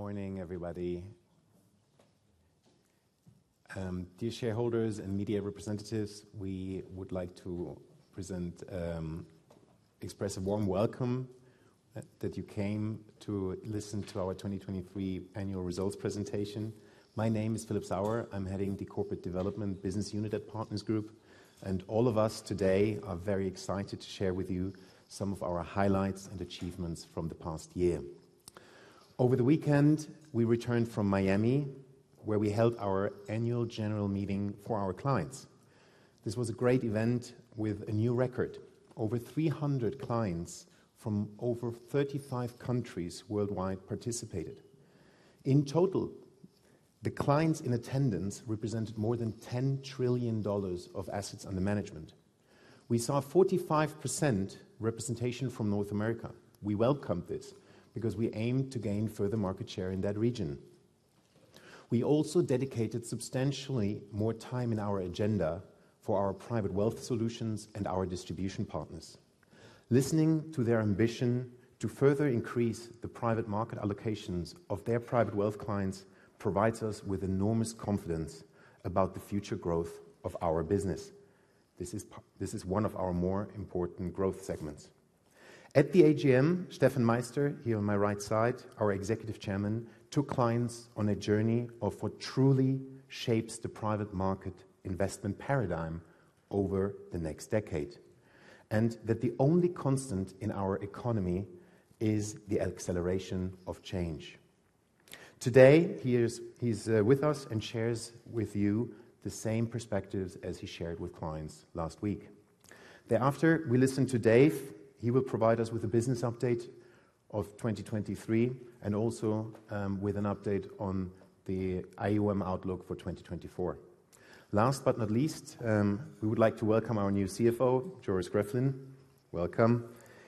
Good morning, everybody. Dear shareholders and media representatives, we would like to present, express a warm welcome that you came to listen to our 2023 annual results presentation. My name is Philip Sauer. I'm heading the Corporate Development business unit at Partners Group, and all of us today are very excited to share with you some of our highlights and achievements from the past year. Over the weekend, we returned from Miami, where we held our annual general meeting for our clients. This was a great event with a new record: over 300 clients from over 35 countries worldwide participated. In total, the clients in attendance represented more than $10 trillion of assets under management. We saw 45% representation from North America. We welcomed this because we aimed to gain further market share in that region. We also dedicated substantially more time in our agenda for our private wealth solutions and our distribution partners. Listening to their ambition to further increase the private market allocations of their private wealth clients provides us with enormous confidence about the future growth of our business. This is one of our more important growth segments. At the AGM, Steffen Meister here on my right side, our Executive Chairman, took clients on a journey of what truly shapes the private market investment paradigm over the next decade, and that the only constant in our economy is the acceleration of change. Today, he is with us and shares with you the same perspectives as he shared with clients last week. Thereafter, we listen to Dave. He will provide us with a business update of 2023 and also with an update on the AUM outlook for 2024. Last but not least, we would like to welcome our new CFO, Joris Gröflin. Welcome.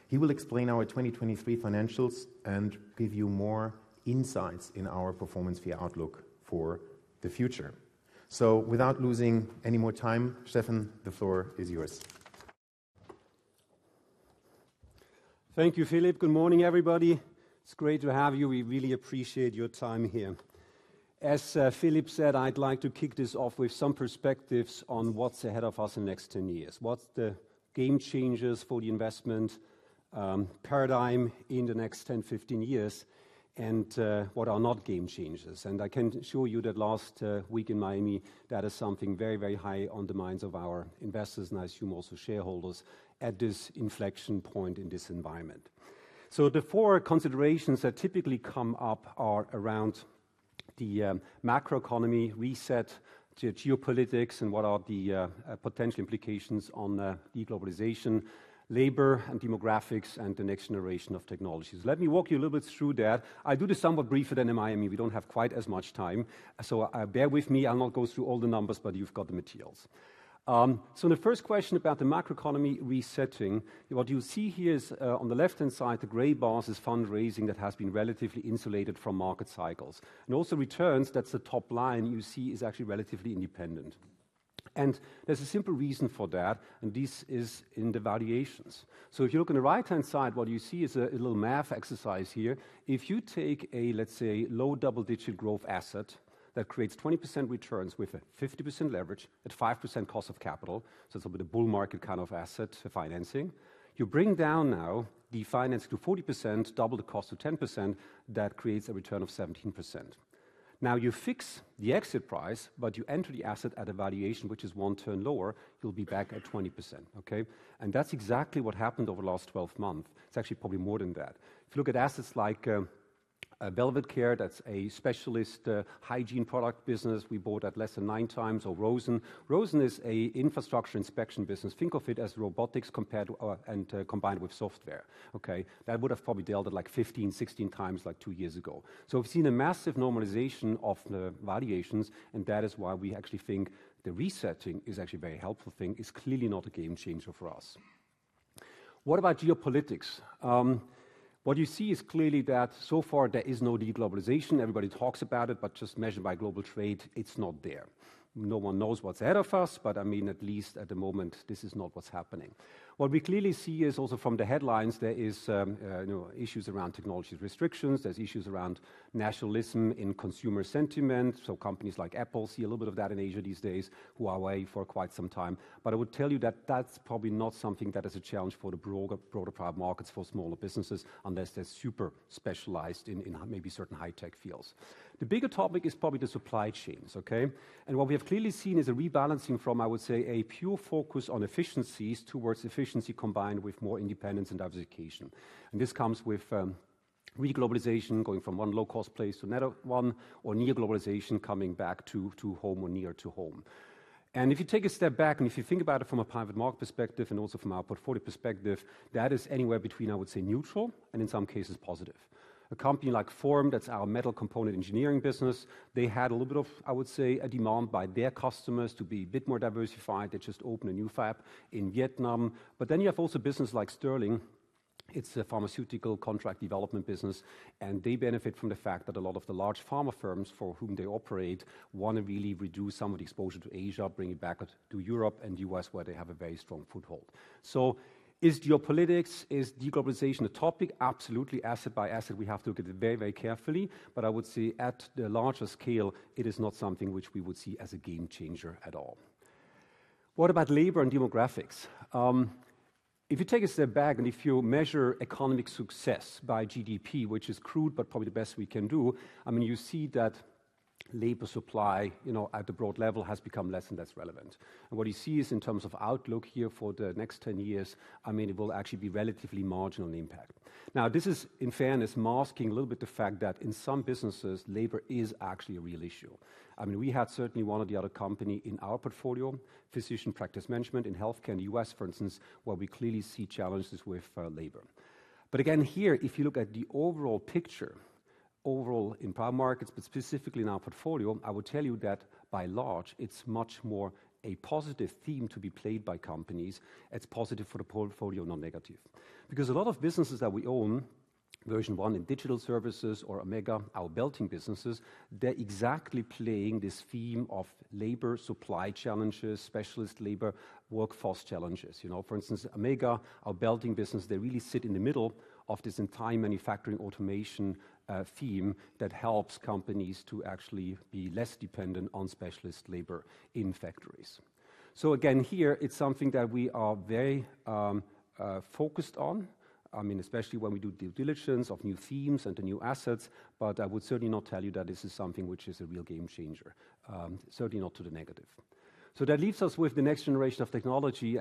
He will explain our 2023 financials and give you more insights in our performance fee outlook for the future. So without losing any more time, Steffen, the floor is yours. Thank you, Philip. Good morning, everybody. It's great to have you. We really appreciate your time here. As Philip said, I'd like to kick this off with some perspectives on what's ahead of us in the next 10 years, what's the game changers for the investment paradigm in the next 10-15 years, and what are not game changers. I can assure you that last week in Miami, that is something very, very high on the minds of our investors, and I assume also shareholders at this inflection point in this environment. The four considerations that typically come up are around the macroeconomy reset, geopolitics, and what are the potential implications on deglobalization, labor and demographics, and the next generation of technologies. Let me walk you a little bit through that. I do this somewhat briefer than in Miami. We don't have quite as much time. So bear with me. I'll not go through all the numbers, but you've got the materials. So the first question about the macroeconomy resetting, what you see here is, on the left-hand side, the gray bars is fundraising that has been relatively insulated from market cycles. And also returns, that's the top line you see, is actually relatively independent. And there's a simple reason for that, and this is in the valuations. So if you look on the right-hand side, what you see is a little math exercise here. If you take a, let's say, low double-digit growth asset that creates 20% returns with a 50% leverage at 5% cost of capital, so it's a bit of bull market kind of asset financing, you bring down now the finance to 40%, double the cost to 10%, that creates a return of 17%. Now you fix the exit price, but you enter the asset at a valuation which is 1% turn lower. You'll be back at 20%. Okay. And that's exactly what happened over the last 12 months. It's actually probably more than that. If you look at assets like Velvet CARE, that's a specialist hygiene product business we bought at less than 9x, or Rosen. Rosen is an infrastructure inspection business. Think of it as robotics compared to and combined with software. Okay. That would have probably dealt at like 15x, 16x like two years ago. So we've seen a massive normalization of the valuations, and that is why we actually think the resetting is actually a very helpful thing; it's clearly not a game changer for us. What about geopolitics? What you see is clearly that so far there is no deglobalization. Everybody talks about it, but just measured by global trade, it's not there. No one knows what's ahead of us, but I mean, at least at the moment, this is not what's happening. What we clearly see is also from the headlines, there is, you know, issues around technology restrictions. There's issues around nationalism in consumer sentiment. So companies like Apple see a little bit of that in Asia these days, Huawei for quite some time. But I would tell you that that's probably not something that is a challenge for the broader, broader private markets, for smaller businesses, unless they're super specialized in maybe certain high-tech fields. The bigger topic is probably the supply chains. Okay. And what we have clearly seen is a rebalancing from, I would say, a pure focus on efficiencies towards efficiency combined with more independence and diversification. This comes with re-globalization going from one low-cost place to another one, or near-globalization coming back to home or near to home. If you take a step back and if you think about it from a private market perspective and also from our portfolio perspective, that is anywhere between, I would say, neutral and in some cases positive. A company like Form, that's our metal component engineering business, they had a little bit of, I would say, a demand by their customers to be a bit more diversified. They just opened a new fab in Vietnam. But then you have also businesses like Sterling. It's a pharmaceutical contract development business, and they benefit from the fact that a lot of the large pharma firms for whom they operate want to really reduce some of the exposure to Asia, bring it back to Europe and the U.S., where they have a very strong foothold. So is geopolitics, is deglobalization a topic? Absolutely. Asset by asset, we have to look at it very, very carefully. But I would say at the larger scale, it is not something which we would see as a game changer at all. What about labor and demographics? If you take a step back and if you measure economic success by GDP, which is crude, but probably the best we can do, I mean, you see that labor supply, you know, at the broad level has become less and less relevant. What you see is in terms of outlook here for the next 10 years, I mean, it will actually be relatively marginal in impact. Now, this is in fairness masking a little bit the fact that in some businesses, labor is actually a real issue. I mean, we had certainly one or the other company in our portfolio, physician practice management in healthcare in the U.S., for instance, where we clearly see challenges with labor. But again, here, if you look at the overall picture, overall in private markets, but specifically in our portfolio, I would tell you that by and large, it's much more a positive theme to be played by companies. It's positive for the portfolio, not negative, because a lot of businesses that we own, Version 1 in digital services or Ammega, our belting businesses, they're exactly playing this theme of labor supply challenges, specialist labor workforce challenges. You know, for instance, Ammega, our belting business, they really sit in the middle of this entire manufacturing automation theme that helps companies to actually be less dependent on specialist labor in factories. So again, here, it's something that we are very focused on, I mean, especially when we do due diligence of new themes and the new assets. But I would certainly not tell you that this is something which is a real game changer, certainly not to the negative. So that leaves us with the next generation of technology.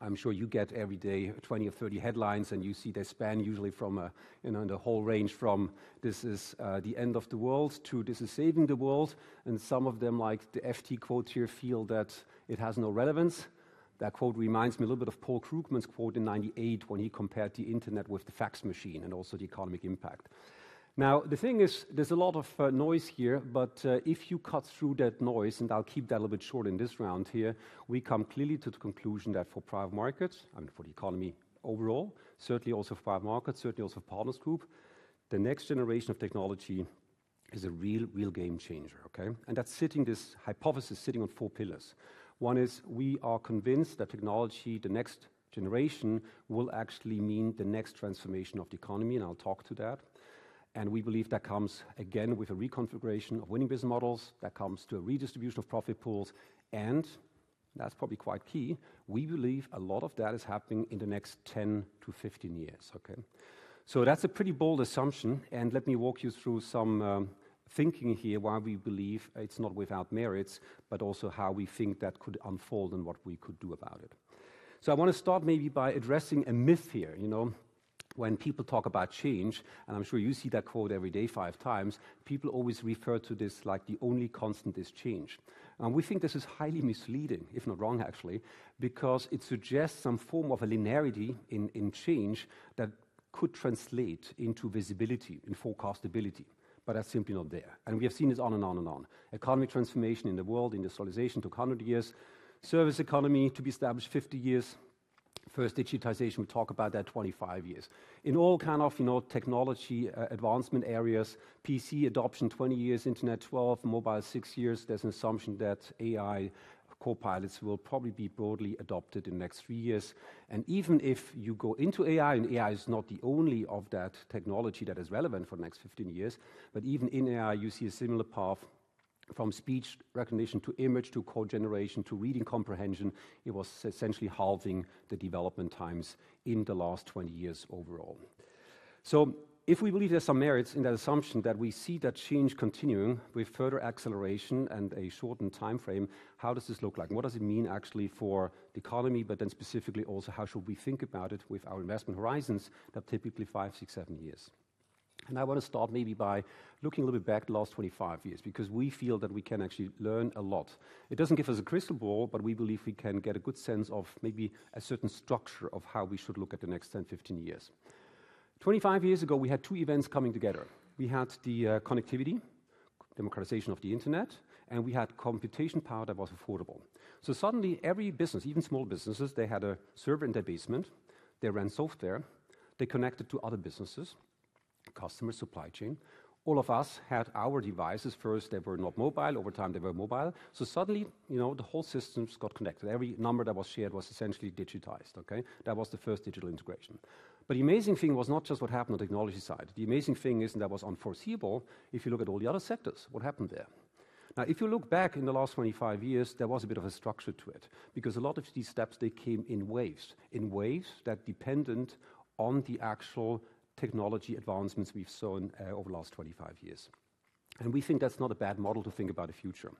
I'm sure you get every day 20 or 30 headlines and you see they span usually from a, you know, in the whole range from this is, the end of the world to this is saving the world. And some of them, like the FT quotes here, feel that it has no relevance. That quote reminds me a little bit of Paul Krugman's quote in 1998 when he compared the internet with the fax machine and also the economic impact. Now, the thing is, there's a lot of noise here, but if you cut through that noise and I'll keep that a little bit short in this round here, we come clearly to the conclusion that for private markets, I mean, for the economy overall, certainly also for private markets, certainly also for Partners Group, the next generation of technology is a real, real game changer. Okay. And that's this hypothesis sitting on four pillars. One is we are convinced that technology, the next generation, will actually mean the next transformation of the economy. And I'll talk to that. And we believe that comes again with a reconfiguration of winning business models. That comes to a redistribution of profit pools. And that's probably quite key. We believe a lot of that is happening in the next 10-15 years. Okay. So that's a pretty bold assumption. And let me walk you through some thinking here why we believe it's not without merits, but also how we think that could unfold and what we could do about it. So I want to start maybe by addressing a myth here. You know, when people talk about change, and I'm sure you see that quote every day 5x, people always refer to this like the only constant is change. And we think this is highly misleading, if not wrong, actually, because it suggests some form of a linearity in change that could translate into visibility and forecastability. But that's simply not there. And we have seen this on and on and on. Economic transformation in the world, industrialization took 100 years, service economy to be established 50 years, first digitization. We talk about that 25 years in all kind of, you know, technology advancement areas, PC adoption 20 years, internet 12, mobile six years. There's an assumption that AI copilots will probably be broadly adopted in the next three years. Even if you go into AI and AI is not the only of that technology that is relevant for the next 15 years, but even in AI, you see a similar path from speech recognition to image to code generation to reading comprehension. It was essentially halving the development times in the last 20 years overall. So if we believe there's some merits in that assumption that we see that change continuing with further acceleration and a shortened time frame, how does this look like? What does it mean actually for the economy? But then specifically also, how should we think about it with our investment horizons that typically five, six, seven years? And I want to start maybe by looking a little bit back the last 25 years because we feel that we can actually learn a lot. It doesn't give us a crystal ball, but we believe we can get a good sense of maybe a certain structure of how we should look at the next 10, 15 years. 25 years ago, we had two events coming together. We had the connectivity, democratization of the internet, and we had computation power that was affordable. So suddenly every business, even small businesses, they had a server in their basement, they ran software, they connected to other businesses, customers, supply chain. All of us had our devices first. They were not mobile. Over time, they were mobile. So suddenly, you know, the whole systems got connected. Every number that was shared was essentially digitized. Okay. That was the first digital integration. But the amazing thing was not just what happened on the technology side. The amazing thing isn't that was unforeseeable. If you look at all the other sectors, what happened there? Now, if you look back in the last 25 years, there was a bit of a structure to it because a lot of these steps, they came in waves, in waves that depended on the actual technology advancements we've seen over the last 25 years. We think that's not a bad model to think about the future.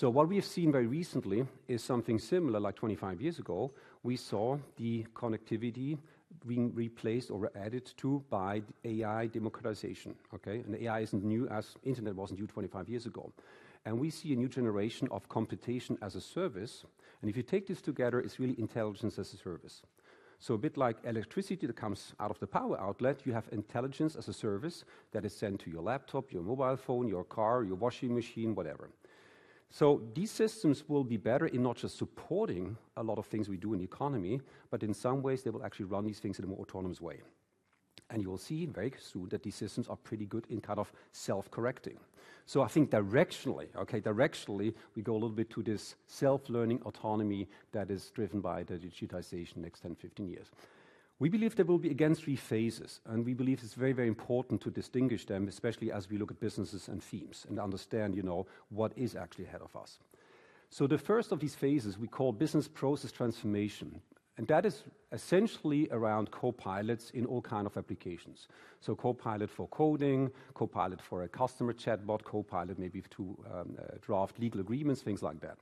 What we have seen very recently is something similar. Like 25 years ago, we saw the connectivity being replaced or added to by AI democratization. Okay. AI isn't new as the internet wasn't new 25 years ago. We see a new generation of computation as a service. If you take this together, it's really intelligence as a service. So a bit like electricity that comes out of the power outlet, you have intelligence as a service that is sent to your laptop, your mobile phone, your car, your washing machine, whatever. So these systems will be better in not just supporting a lot of things we do in the economy, but in some ways they will actually run these things in a more autonomous way. And you will see very soon that these systems are pretty good in kind of self-correcting. So I think directionally, okay, directionally we go a little bit to this self-learning autonomy that is driven by the digitization next 10, 15 years. We believe there will be against three phases, and we believe it's very, very important to distinguish them, especially as we look at businesses and themes and understand, you know, what is actually ahead of us. So the first of these phases we call business process transformation, and that is essentially around Copilot in all kinds of applications. So Copilot for coding, Copilot for a customer chatbot, Copilot maybe to draft legal agreements, things like that.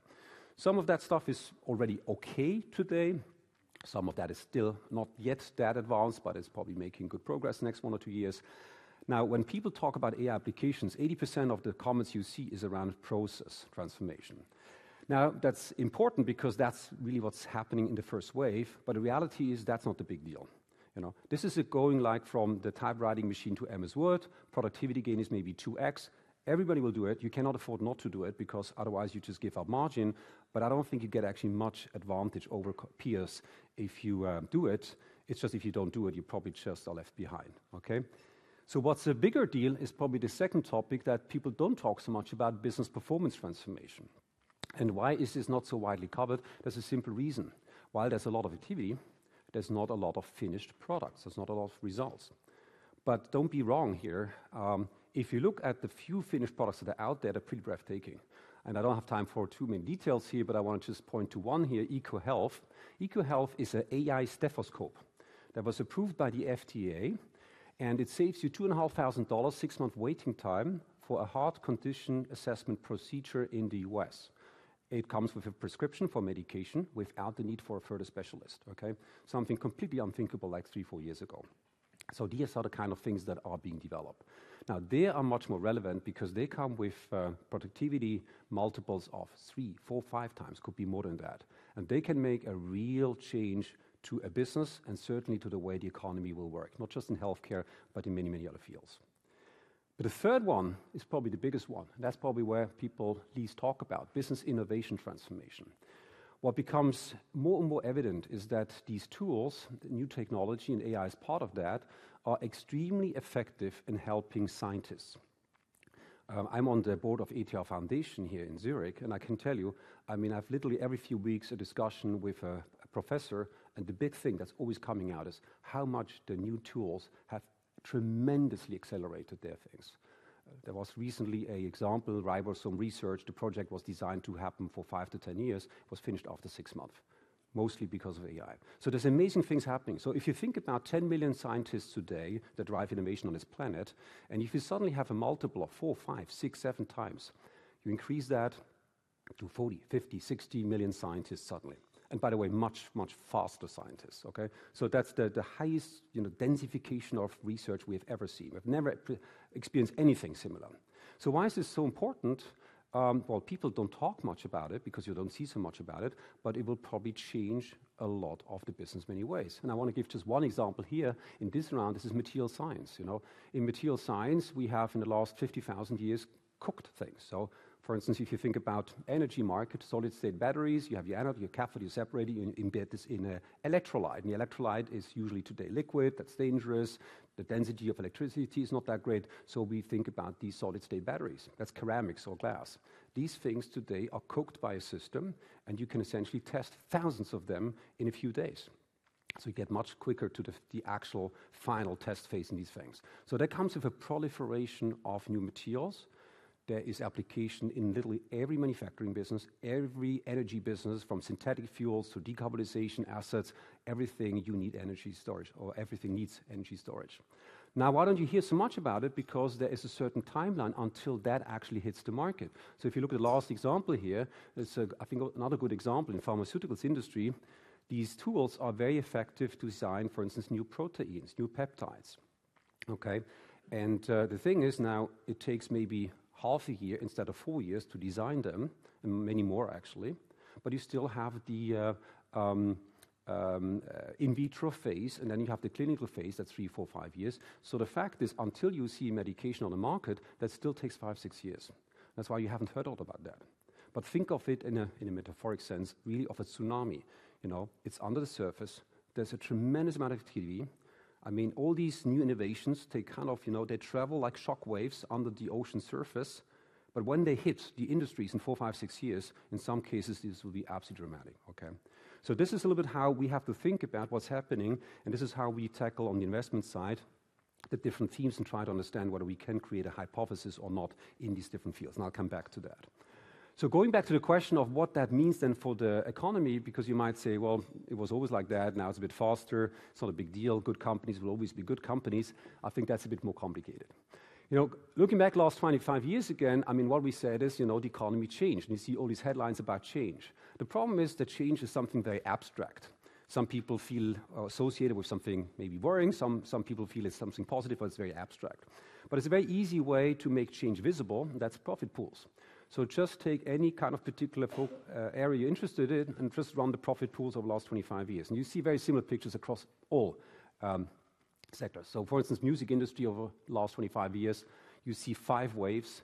Some of that stuff is already okay today. Some of that is still not yet that advanced, but it's probably making good progress next one or two years. Now, when people talk about AI applications, 80% of the comments you see is around process transformation. Now, that's important because that's really what's happening in the first wave. But the reality is that's not the big deal. You know, this is going like from the typewriting machine to Microsoft Word. Productivity gain is maybe 2x. Everybody will do it. You cannot afford not to do it because otherwise you just give up margin. But I don't think you get actually much advantage over peers if you do it. It's just if you don't do it, you probably just are left behind. Okay. So what's a bigger deal is probably the second topic that people don't talk so much about business performance transformation. And why is this not so widely covered? There's a simple reason. While there's a lot of activity, there's not a lot of finished products. There's not a lot of results. But don't be wrong here. If you look at the few finished products that are out there, they're pretty breathtaking. And I don't have time for too many details here, but I want to just point to one here. Eko Health. Eko Health is an AI stethoscope that was approved by the FDA, and it saves you $2,500, six months waiting time for a heart condition assessment procedure in the U.S. It comes with a prescription for medication without the need for a further specialist. Okay. Something completely unthinkable like three to four years ago. So these are the kind of things that are being developed now. They are much more relevant because they come with productivity multiples of 3x, 4x, 5x. Could be more than that. And they can make a real change to a business and certainly to the way the economy will work, not just in healthcare, but in many, many other fields. But the third one is probably the biggest one. And that's probably where people least talk about business innovation transformation. What becomes more and more evident is that these tools, the new technology and AI is part of that, are extremely effective in helping scientists. I'm on the board of ETH Foundation here in Zurich, and I can tell you, I mean, I've literally every few weeks a discussion with a professor. And the big thing that's always coming out is how much the new tools have tremendously accelerated their things. There was recently an example, Riversome Research. The project was designed to happen for five to 10 years, was finished after six months, mostly because of AI. So there's amazing things happening. So if you think about 10 million scientists today that drive innovation on this planet, and if you suddenly have a multiple of 4x, 5x, 6x, 7x, you increase that to 40, 50, 60 million scientists suddenly. And by the way, much, much faster scientists. Okay. So that's the highest, you know, densification of research we have ever seen. We've never experienced anything similar. So why is this so important? Well, people don't talk much about it because you don't see so much about it, but it will probably change a lot of the business many ways. And I want to give just one example here in this round. This is material science. You know, in material science, we have in the last 50,000 years cooked things. So for instance, if you think about energy markets, solid state batteries, you have your anode, your cathode, your separator, you embed this in an electrolyte. And the electrolyte is usually today liquid. That's dangerous. The density of electricity is not that great. So we think about these solid state batteries that's ceramics or glass. These things today are cooked by a system, and you can essentially test thousands of them in a few days. So you get much quicker to the actual final test phase in these things. So that comes with a proliferation of new materials. There is application in literally every manufacturing business, every energy business, from synthetic fuels to decarbonization assets, everything you need, energy storage, or everything needs energy storage. Now, why don't you hear so much about it? Because there is a certain timeline until that actually hits the market. So if you look at the last example here, it's a, I think, another good example in the pharmaceuticals industry. These tools are very effective to design, for instance, new proteins, new peptides. Okay. And the thing is, now it takes maybe half a year instead of four years to design them and many more, actually. But you still have the in vitro phase, and then you have the clinical phase that's three, four, five years. So the fact is, until you see medication on the market, that still takes five, six years. That's why you haven't heard a lot about that. But think of it in a metaphoric sense, really of a tsunami. You know, it's under the surface. There's a tremendous amount of activity. I mean, all these new innovations take kind of, you know, they travel like shockwaves under the ocean surface. But when they hit the industries in four, five, six years, in some cases, this will be absolutely dramatic. Okay. So this is a little bit how we have to think about what's happening. And this is how we tackle on the investment side the different themes and try to understand whether we can create a hypothesis or not in these different fields. And I'll come back to that. So going back to the question of what that means then for the economy, because you might say, well, it was always like that. Now it's a bit faster. It's not a big deal. Good companies will always be good companies. I think that's a bit more complicated. You know, looking back last 25 years again, I mean, what we said is, you know, the economy changed and you see all these headlines about change. The problem is that change is something very abstract. Some people feel associated with something maybe worrying. Some people feel it's something positive, but it's very abstract. But it's a very easy way to make change visible. And that's profit pools. So just take any kind of particular area you're interested in and just run the profit pools over the last 25 years. And you see very similar pictures across all sectors. So for instance, the music industry over the last 25 years, you see five waves,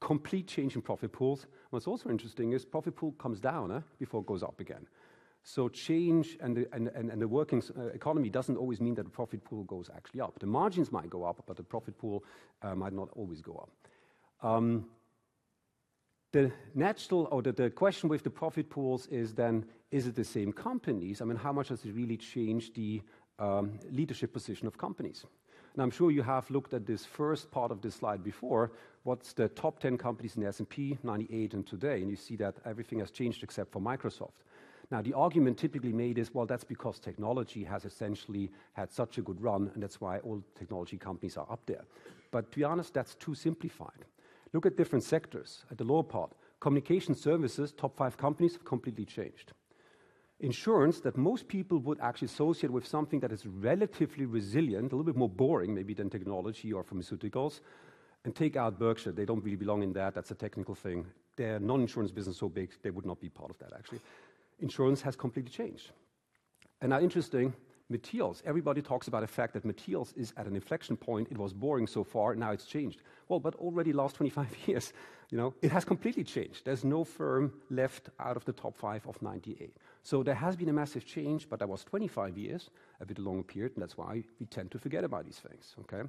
complete change in profit pools. What's also interesting is the profit pool comes down before it goes up again. So change in the working economy doesn't always mean that the profit pool goes actually up. The margins might go up, but the profit pool might not always go up. The natural or the question with the profit pools is then, is it the same companies? I mean, how much does it really change the leadership position of companies? And I'm sure you have looked at this first part of this slide before. What's the top 10 companies in the S&P 500 in 1998. And today, you see that everything has changed except for Microsoft. Now, the argument typically made is, well, that's because technology has essentially had such a good run. And that's why all technology companies are up there. But to be honest, that's too simplified. Look at different sectors at the lower part. Communication services, top five companies have completely changed. Insurance, that most people would actually associate with something that is relatively resilient, a little bit more boring maybe than technology or pharmaceuticals, and take out Berkshire. They don't really belong in that. That's a technical thing. Their non-insurance business is so big, they would not be part of that. Actually, insurance has completely changed. And now, interesting materials. Everybody talks about the fact that materials is at an inflection point. It was boring so far. Now it's changed. Well, but already last 25 years, you know, it has completely changed. There's no firm left out of the top five of 1998. So there has been a massive change. But that was 25 years, a bit a long period. And that's why we tend to forget about these things. Okay.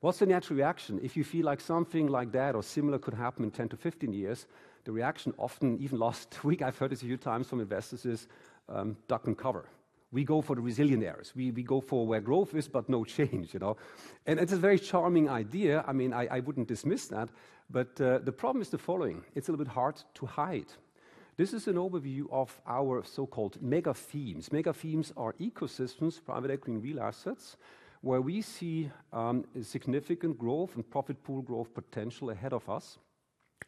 What's the natural reaction? If you feel like something like that or similar could happen in 10-15 years, the reaction often even last week, I've heard this a few times from investors, is, duck and cover. We go for the resilient areas. We go for where growth is, but no change, you know. It's a very charming idea. I mean, I wouldn't dismiss that. But the problem is the following. It's a little bit hard to hide. This is an overview of our so-called mega themes. Mega themes are ecosystems, private equity, real assets where we see significant growth and profit pool growth potential ahead of us,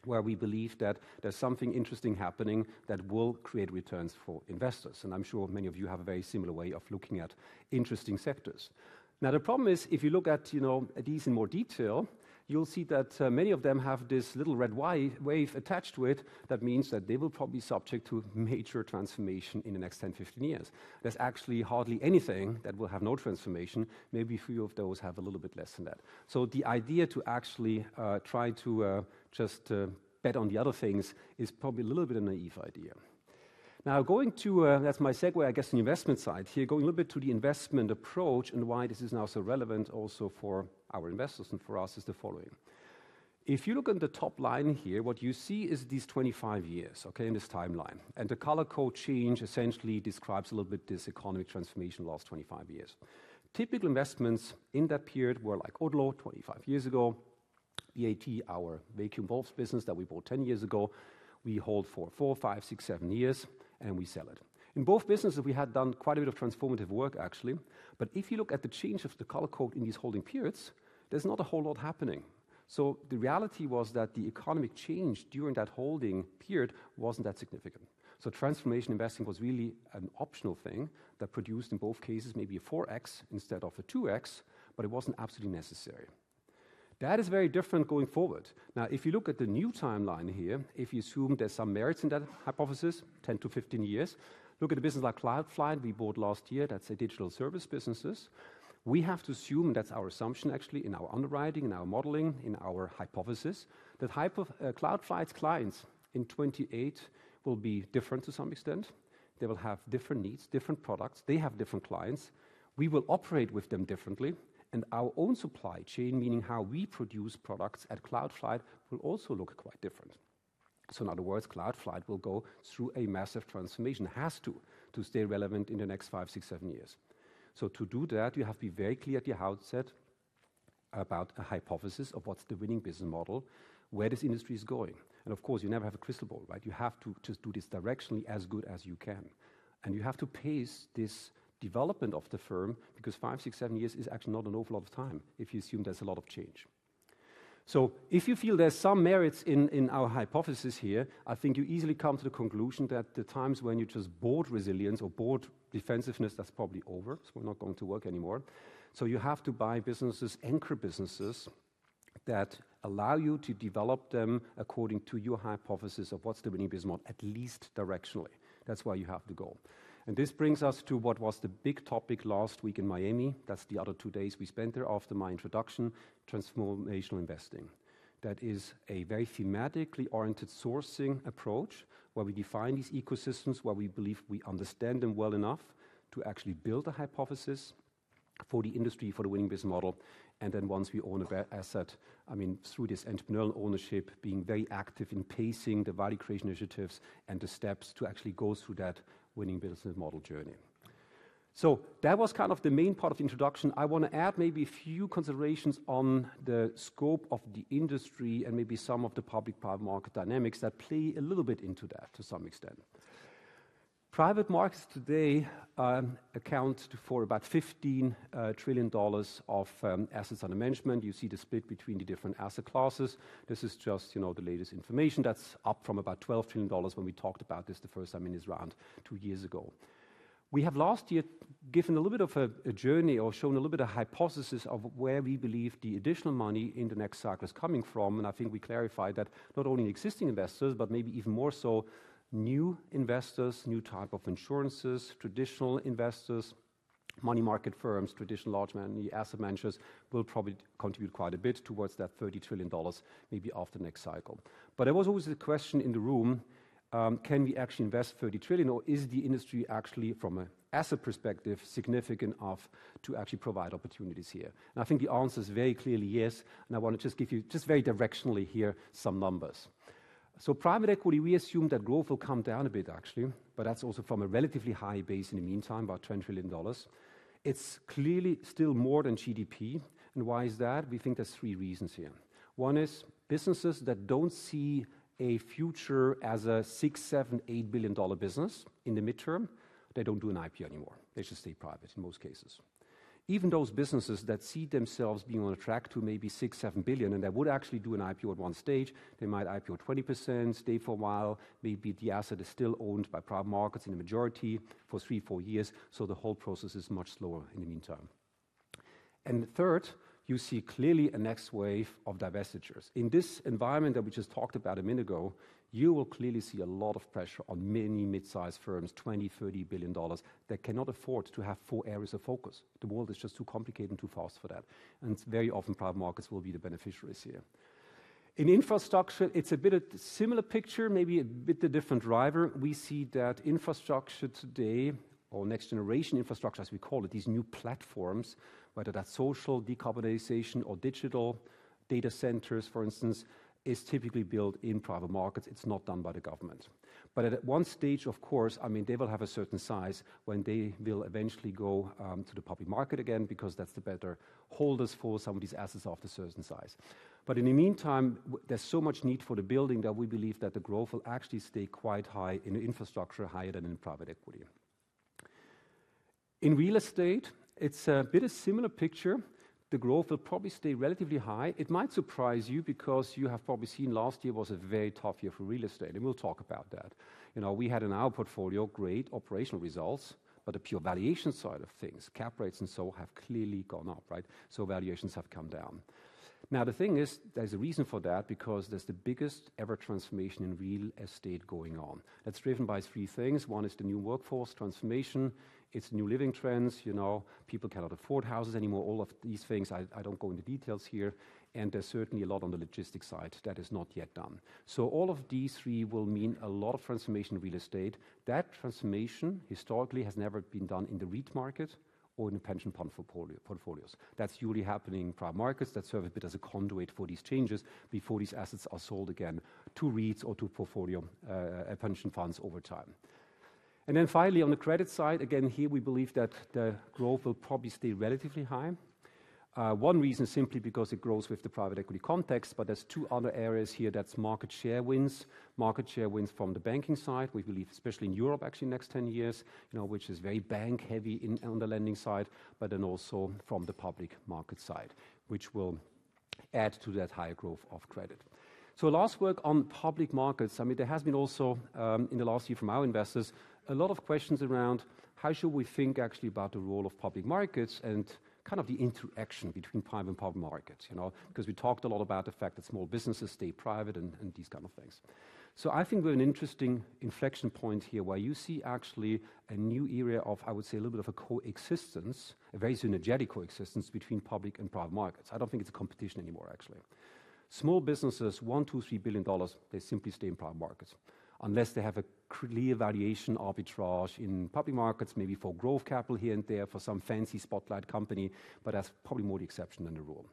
where we believe that there's something interesting happening that will create returns for investors. And I'm sure many of you have a very similar way of looking at interesting sectors. Now, the problem is if you look at, you know, these in more detail, you'll see that many of them have this little red wave attached to it. That means that they will probably be subject to major transformation in the next 10, 15 years. There's actually hardly anything that will have no transformation. Maybe a few of those have a little bit less than that. So the idea to actually try to just bet on the other things is probably a little bit of a naive idea. Now, going to, that's my segue, I guess, in the investment side here, going a little bit to the investment approach and why this is now so relevant also for our investors and for us is the following. If you look at the top line here, what you see is these 25 years, okay, in this timeline. The color code change essentially describes a little bit this economic transformation last 25 years. Typical investments in that period were like Odlo 25 years ago, VAT, our vacuum valves business that we bought 10 years ago. We hold for four, five, six, seven years, and we sell it. In both businesses, we had done quite a bit of transformative work, actually. But if you look at the change of the color code in these holding periods, there's not a whole lot happening. So the reality was that the economic change during that holding period wasn't that significant. So transformation investing was really an optional thing that produced in both cases maybe a 4x instead of a 2x, but it wasn't absolutely necessary. That is very different going forward. Now, if you look at the new timeline here, if you assume there's some merits in that hypothesis, 10-15 years, look at a business like Cloudflight we bought last year. That's a digital service business. We have to assume, and that's our assumption actually in our underwriting, in our modeling, in our hypothesis that Cloudflight's clients in 2028 will be different to some extent. They will have different needs, different products. They have different clients. We will operate with them differently. And our own supply chain, meaning how we produce products at Cloudflight, will also look quite different. So in other words, Cloudflight will go through a massive transformation, has to, to stay relevant in the next five, six, seven years. So to do that, you have to be very clear at the outset about a hypothesis of what's the winning business model, where this industry is going. Of course, you never have a crystal ball, right? You have to just do this directionally as good as you can, and you have to pace this development of the firm because five, six, seven years is actually not an awful lot of time if you assume there's a lot of change. So if you feel there's some merits in our hypothesis here, I think you easily come to the conclusion that the times when you just bought resilience or bought defensiveness, that's probably over. So we're not going to work anymore. So you have to buy businesses, anchor businesses that allow you to develop them according to your hypothesis of what's the winning business model, at least directionally. That's why you have to go. This brings us to what was the big topic last week in Miami. That's the other two days we spent there after my introduction, Transformational Investing. That is a very thematically oriented sourcing approach where we define these ecosystems, where we believe we understand them well enough to actually build a hypothesis for the industry, for the winning business model. And then once we own a better asset, I mean, through this entrepreneurial ownership, being very active in pacing the value creation initiatives and the steps to actually go through that winning business model journey. So that was kind of the main part of the introduction. I want to add maybe a few considerations on the scope of the industry and maybe some of the public-private market dynamics that play a little bit into that to some extent. Private markets today account for about $15 trillion of assets under management. You see the split between the different asset classes. This is just, you know, the latest information that's up from about $12 trillion when we talked about this the first time in this round two years ago. We have last year given a little bit of a journey or shown a little bit of a hypothesis of where we believe the additional money in the next cycle is coming from. I think we clarified that not only existing investors, but maybe even more so new investors, new type of insurances, traditional investors, money market firms, traditional large money, asset managers will probably contribute quite a bit towards that $30 trillion, maybe after the next cycle. But there was always the question in the room, can we actually invest $30 trillion or is the industry actually from an asset perspective significant enough to actually provide opportunities here? I think the answer is very clearly yes. And I want to just give you just very directionally here some numbers. So private equity, we assume that growth will come down a bit actually, but that's also from a relatively high base in the meantime, about $10 trillion. It's clearly still more than GDP. And why is that? We think there's three reasons here. One is businesses that don't see a future as a $6 billion, $7 billion, $8 billion business in the midterm. They don't do an IPO anymore. They just stay private in most cases. Even those businesses that see themselves being on a track to maybe $6 billion, $7 billion, and they would actually do an IPO at one stage, they might IPO 20%, stay for a while. Maybe the asset is still owned by private markets in the majority for three, four years. So the whole process is much slower in the meantime. And third, you see clearly a next wave of divestitures in this environment that we just talked about a minute ago. You will clearly see a lot of pressure on many midsize firms, $20 billion-$30 billion that cannot afford to have four areas of focus. The world is just too complicated and too fast for that. And very often private markets will be the beneficiaries here in infrastructure. It's a bit of a similar picture, maybe a bit of a different driver. We see that infrastructure today or next generation infrastructure, as we call it, these new platforms, whether that's social decarbonization or digital data centers, for instance, is typically built in private markets. It's not done by the government, but at one stage, of course, I mean, they will have a certain size when they will eventually go to the public market again, because that's the better holders for some of these assets of a certain size. But in the meantime, there's so much need for the building that we believe that the growth will actually stay quite high in infrastructure, higher than in private equity. In real estate, it's a bit of a similar picture. The growth will probably stay relatively high. It might surprise you because you have probably seen last year was a very tough year for real estate, and we'll talk about that. You know, we had in our portfolio great operational results, but the pure valuation side of things, cap rates and so have clearly gone up, right? So valuations have come down. Now, the thing is, there's a reason for that because there's the biggest ever transformation in real estate going on. That's driven by three things. One is the new workforce transformation. It's new living trends. You know, people cannot afford houses anymore. All of these things. I don't go into details here. And there's certainly a lot on the logistics side that is not yet done. So all of these three will mean a lot of transformation in real estate. That transformation historically has never been done in the REIT market or in the pension fund portfolios. That's usually happening in private markets that serve a bit as a conduit for these changes before these assets are sold again to REITs or to portfolio pension funds over time. And then finally, on the credit side, again, here we believe that the growth will probably stay relatively high. One reason is simply because it grows with the private equity context. But there's two other areas here. That's market share wins, market share wins from the banking side, we believe, especially in Europe, actually in the next 10 years, you know, which is very bank heavy on the lending side, but then also from the public market side, which will add to that higher growth of credit. So last work on public markets. I mean, there has been also in the last year from our investors, a lot of questions around how should we think actually about the role of public markets and kind of the interaction between private and public markets, you know, because we talked a lot about the fact that small businesses stay private and these kind of things. So I think we have an interesting inflection point here where you see actually a new area of, I would say, a little bit of a coexistence, a very synergetic coexistence between public and private markets. I don't think it's a competition anymore, actually. Small businesses, $1 billion, $2 billion, $3 billion, they simply stay in private markets unless they have a clear valuation arbitrage in public markets, maybe for growth capital here and there for some fancy spotlight company, but that's probably more the exception than the rule.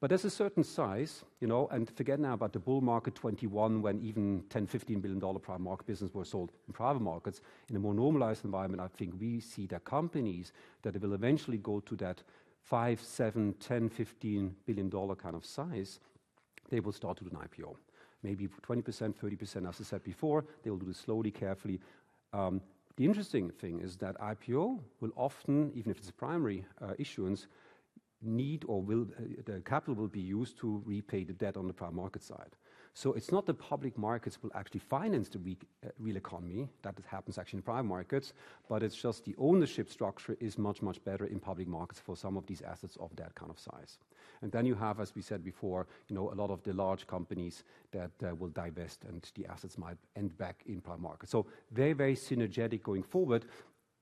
But there's a certain size, you know, and forget now about the bull market 2021 when even $10 billion-$15 billion private market business were sold in private markets in a more normalized environment. I think we see the companies that will eventually go to that five, seven, $10 billion-$15 billion kind of size. They will start to do an IPO, maybe 20%, 30%. As I said before, they will do this slowly, carefully. The interesting thing is that IPO will often, even if it's a primary issuance, need or will the capital be used to repay the debt on the private market side. So it's not the public markets will actually finance the weak real economy that happens actually in private markets, but it's just the ownership structure is much, much better in public markets for some of these assets of that kind of size. And then you have, as we said before, you know, a lot of the large companies that will divest and the assets might end back in private markets. So very, very synergetic going forward.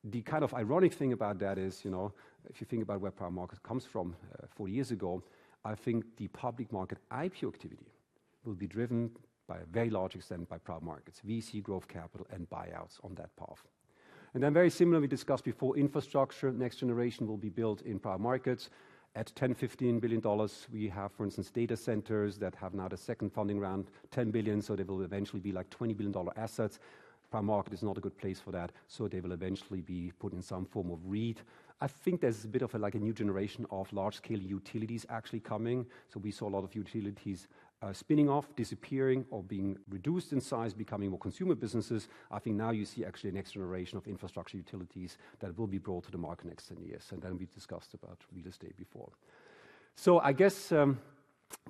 The kind of ironic thing about that is, you know, if you think about where private markets come from 40 years ago, I think the public market IPO activity will be driven to a very large extent by private markets, VC growth capital and buyouts on that path. Then very similar, we discussed before, infrastructure next generation will be built in private markets at $10 billion-$15 billion. We have, for instance, data centers that have now the second funding round, $10 billion. So there will eventually be like $20 billion assets. Private market is not a good place for that. So they will eventually be put in some form of REIT. I think there's a bit of a like a new generation of large scale utilities actually coming. So we saw a lot of utilities spinning off, disappearing or being reduced in size, becoming more consumer businesses. I think now you see actually a next generation of infrastructure utilities that will be brought to the market next ten years. And then we discussed about real estate before. So I guess,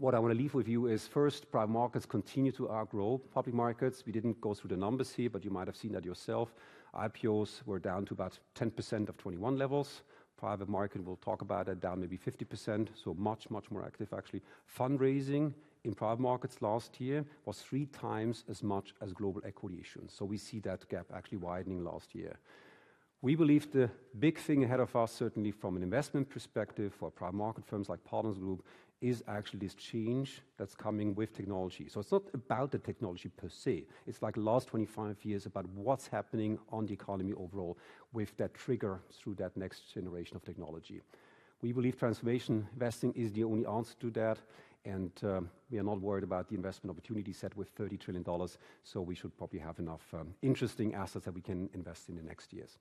what I want to leave with you is first, private markets continue to outgrow public markets. We didn't go through the numbers here, but you might have seen that yourself. IPOs were down to about 10% of 21 levels. Private market, we'll talk about it down maybe 50%. So much, much more active. Actually, fundraising in private markets last year was 3x as much as global equity issuance. So we see that gap actually widening last year. We believe the big thing ahead of us, certainly from an investment perspective for private market firms like Partners Group, is actually this change that's coming with technology. So it's not about the technology per se. It's like the last 25 years about what's happening on the economy overall with that trigger through that next generation of technology. We believe transformational investing is the only answer to that. And we are not worried about the investment opportunity set with $30 trillion. So we should probably have enough interesting assets that we can invest in the next years.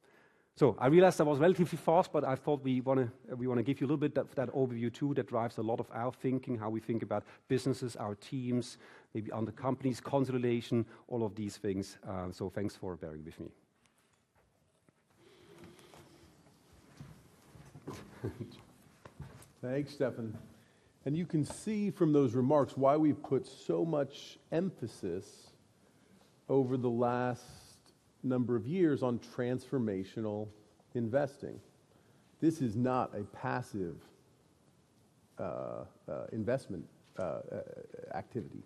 So I realized I was relatively fast, but I thought we want to we want to give you a little bit of that overview too that drives a lot of our thinking, how we think about businesses, our teams, maybe under companies, consolidation, all of these things. So thanks for bearing with me. Thanks, Steffen. And you can see from those remarks why we've put so much emphasis over the last number of years on transformational investing. This is not a passive investment activity.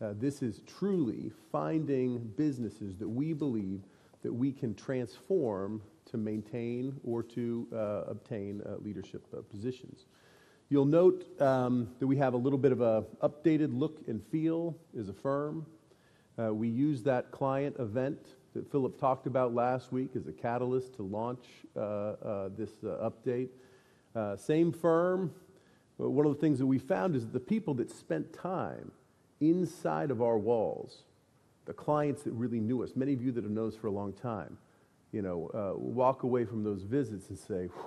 This is truly finding businesses that we believe that we can transform to maintain or to obtain leadership positions. You'll note that we have a little bit of an updated look and feel as a firm. We use that client event that Philip talked about last week as a catalyst to launch this update. Same firm. But one of the things that we found is that the people that spent time inside of our walls, the clients that really knew us, many of you that have known us for a long time, you know, walk away from those visits and say, whew,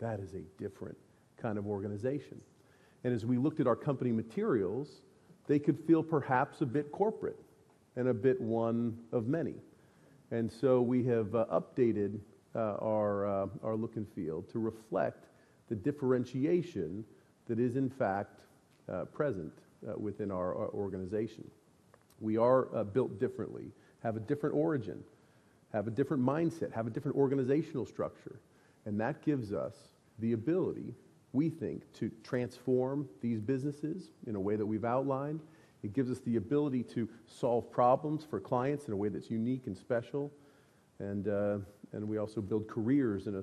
that is a different kind of organization. And as we looked at our company materials, they could feel perhaps a bit corporate and a bit one of many. We have updated our look and feel to reflect the differentiation that is, in fact, present within our organization. We are built differently, have a different origin, have a different mindset, have a different organizational structure. That gives us the ability, we think, to transform these businesses in a way that we've outlined. It gives us the ability to solve problems for clients in a way that's unique and special. And we also build careers in a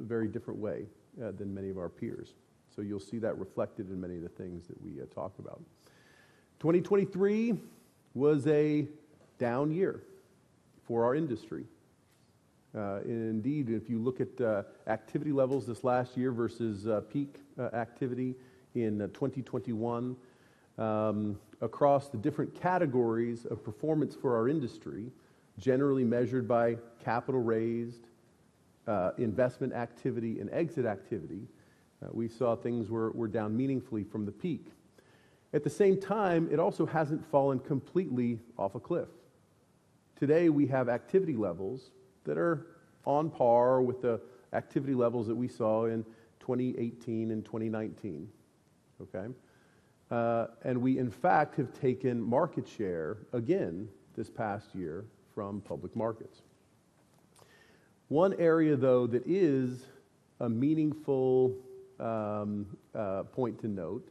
very different way than many of our peers. You'll see that reflected in many of the things that we talk about. 2023 was a down year for our industry. Indeed, if you look at activity levels this last year versus peak activity in 2021, across the different categories of performance for our industry, generally measured by capital raised, investment activity and exit activity, we saw things were down meaningfully from the peak. At the same time, it also hasn't fallen completely off a cliff. Today we have activity levels that are on par with the activity levels that we saw in 2018 and 2019. Okay. We, in fact, have taken market share again this past year from public markets. One area, though, that is a meaningful point to note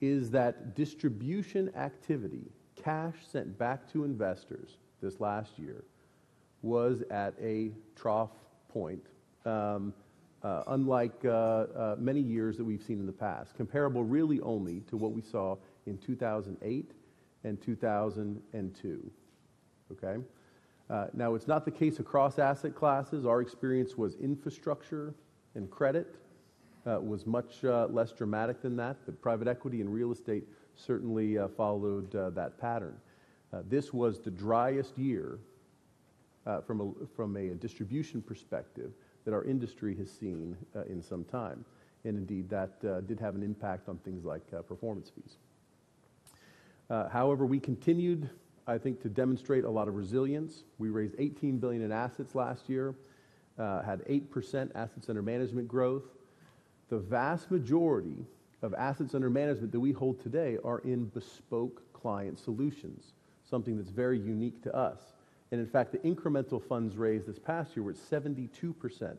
is that distribution activity, cash sent back to investors this last year was at a trough point, unlike many years that we've seen in the past, comparable really only to what we saw in 2008 and 2002. Okay. Now, it's not the case across asset classes. Our experience was infrastructure and credit was much less dramatic than that. But private equity and real estate certainly followed that pattern. This was the driest year from a distribution perspective that our industry has seen in some time. And indeed, that did have an impact on things like performance fees. However, we continued, I think, to demonstrate a lot of resilience. We raised $18 billion in assets last year, had 8% assets under management growth. The vast majority of assets under management that we hold today are in bespoke client solutions, something that's very unique to us. And in fact, the incremental funds raised this past year were 72%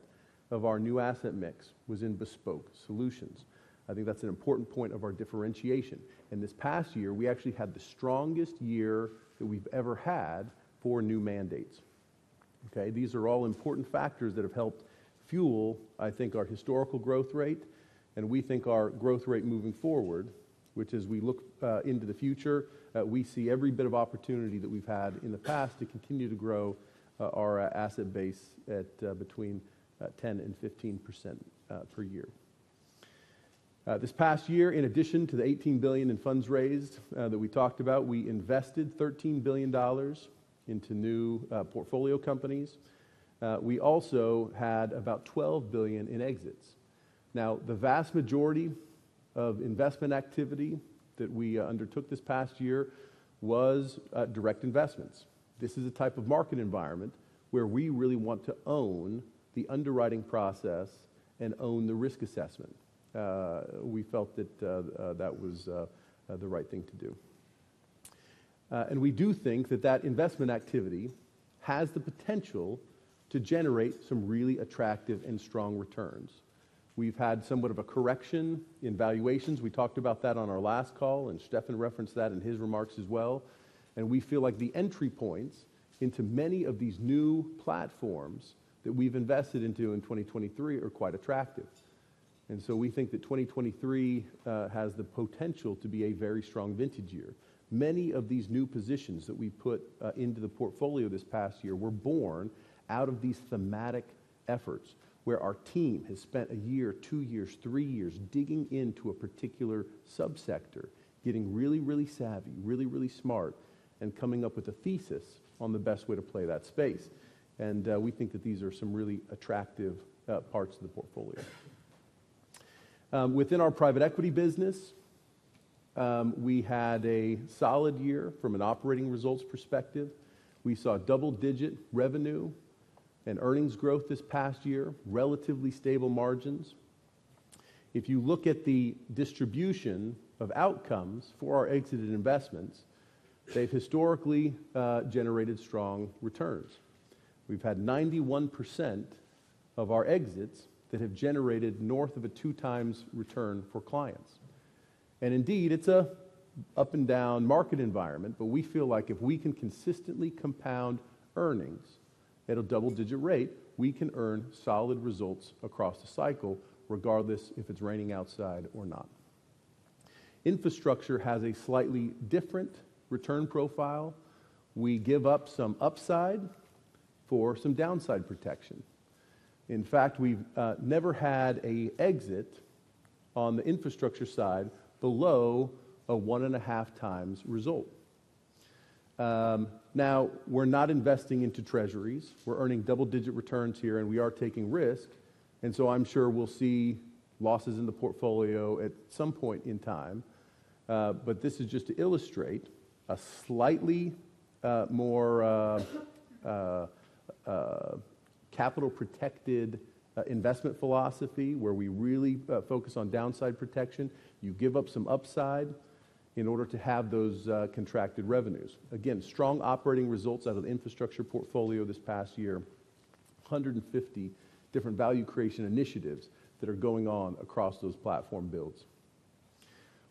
of our new asset mix was in bespoke solutions. I think that's an important point of our differentiation. And this past year, we actually had the strongest year that we've ever had for new mandates. Okay. These are all important factors that have helped fuel, I think, our historical growth rate. We think our growth rate moving forward, which is we look into the future, we see every bit of opportunity that we've had in the past to continue to grow our asset base at between 10%-15% per year. This past year, in addition to the $18 billion in funds raised that we talked about, we invested $13 billion into new portfolio companies. We also had about $12 billion in exits. Now, the vast majority of investment activity that we undertook this past year was direct investments. This is a type of market environment where we really want to own the underwriting process and own the risk assessment. We felt that was the right thing to do. We do think that that investment activity has the potential to generate some really attractive and strong returns. We've had somewhat of a correction in valuations. We talked about that on our last call, and Steffen referenced that in his remarks as well. We feel like the entry points into many of these new platforms that we've invested into in 2023 are quite attractive. So we think that 2023 has the potential to be a very strong vintage year. Many of these new positions that we put into the portfolio this past year were born out of these thematic efforts where our team has spent a year, two years, three years digging into a particular subsector, getting really, really savvy, really, really smart, and coming up with a thesis on the best way to play that space. We think that these are some really attractive parts of the portfolio. Within our private equity business, we had a solid year from an operating results perspective. We saw double-digit revenue and earnings growth this past year, relatively stable margins. If you look at the distribution of outcomes for our exited investments, they've historically generated strong returns. We've had 91% of our exits that have generated north of a 2x return for clients. And indeed, it's an up and down market environment. But we feel like if we can consistently compound earnings at a double-digit rate, we can earn solid results across the cycle, regardless if it's raining outside or not. Infrastructure has a slightly different return profile. We give up some upside for some downside protection. In fact, we've never had an exit on the infrastructure side below a 1.5x result. Now, we're not investing into Treasuries. We're earning double-digit returns here, and we are taking risk. And so I'm sure we'll see losses in the portfolio at some point in time. But this is just to illustrate a slightly more capital protected investment philosophy where we really focus on downside protection. You give up some upside in order to have those contracted revenues. Again, strong operating results out of the infrastructure portfolio this past year, 150 different value creation initiatives that are going on across those platform builds.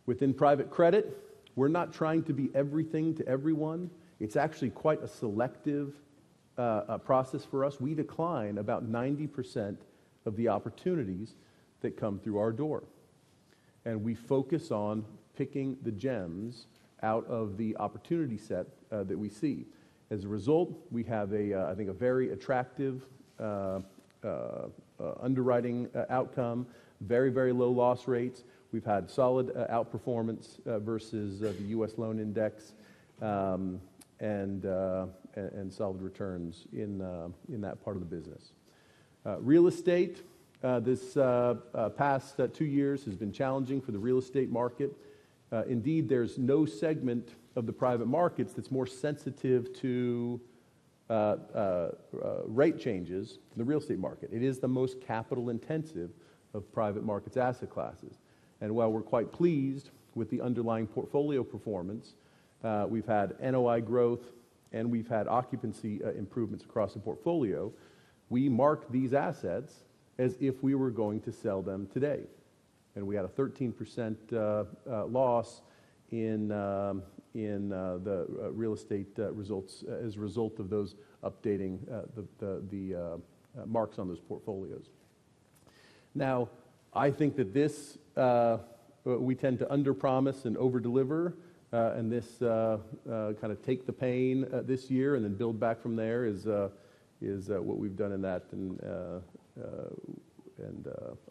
Within private credit, we're not trying to be everything to everyone. It's actually quite a selective process for us. We decline about 90% of the opportunities that come through our door. And we focus on picking the gems out of the opportunity set that we see. As a result, we have a, I think, a very attractive underwriting outcome, very, very low loss rates. We've had solid outperformance versus the U.S. loan index and solid returns in that part of the business. Real estate, this past two years has been challenging for the real estate market. Indeed, there's no segment of the private markets that's more sensitive to rate changes in the real estate market. It is the most capital intensive of private markets asset classes. And while we're quite pleased with the underlying portfolio performance, we've had NOI growth and we've had occupancy improvements across the portfolio. We mark these assets as if we were going to sell them today. And we had a 13% loss in the real estate results as a result of those updating the marks on those portfolios. Now, I think that this we tend to underpromise and overdeliver, and this kind of take the pain this year and then build back from there is what we've done in that. And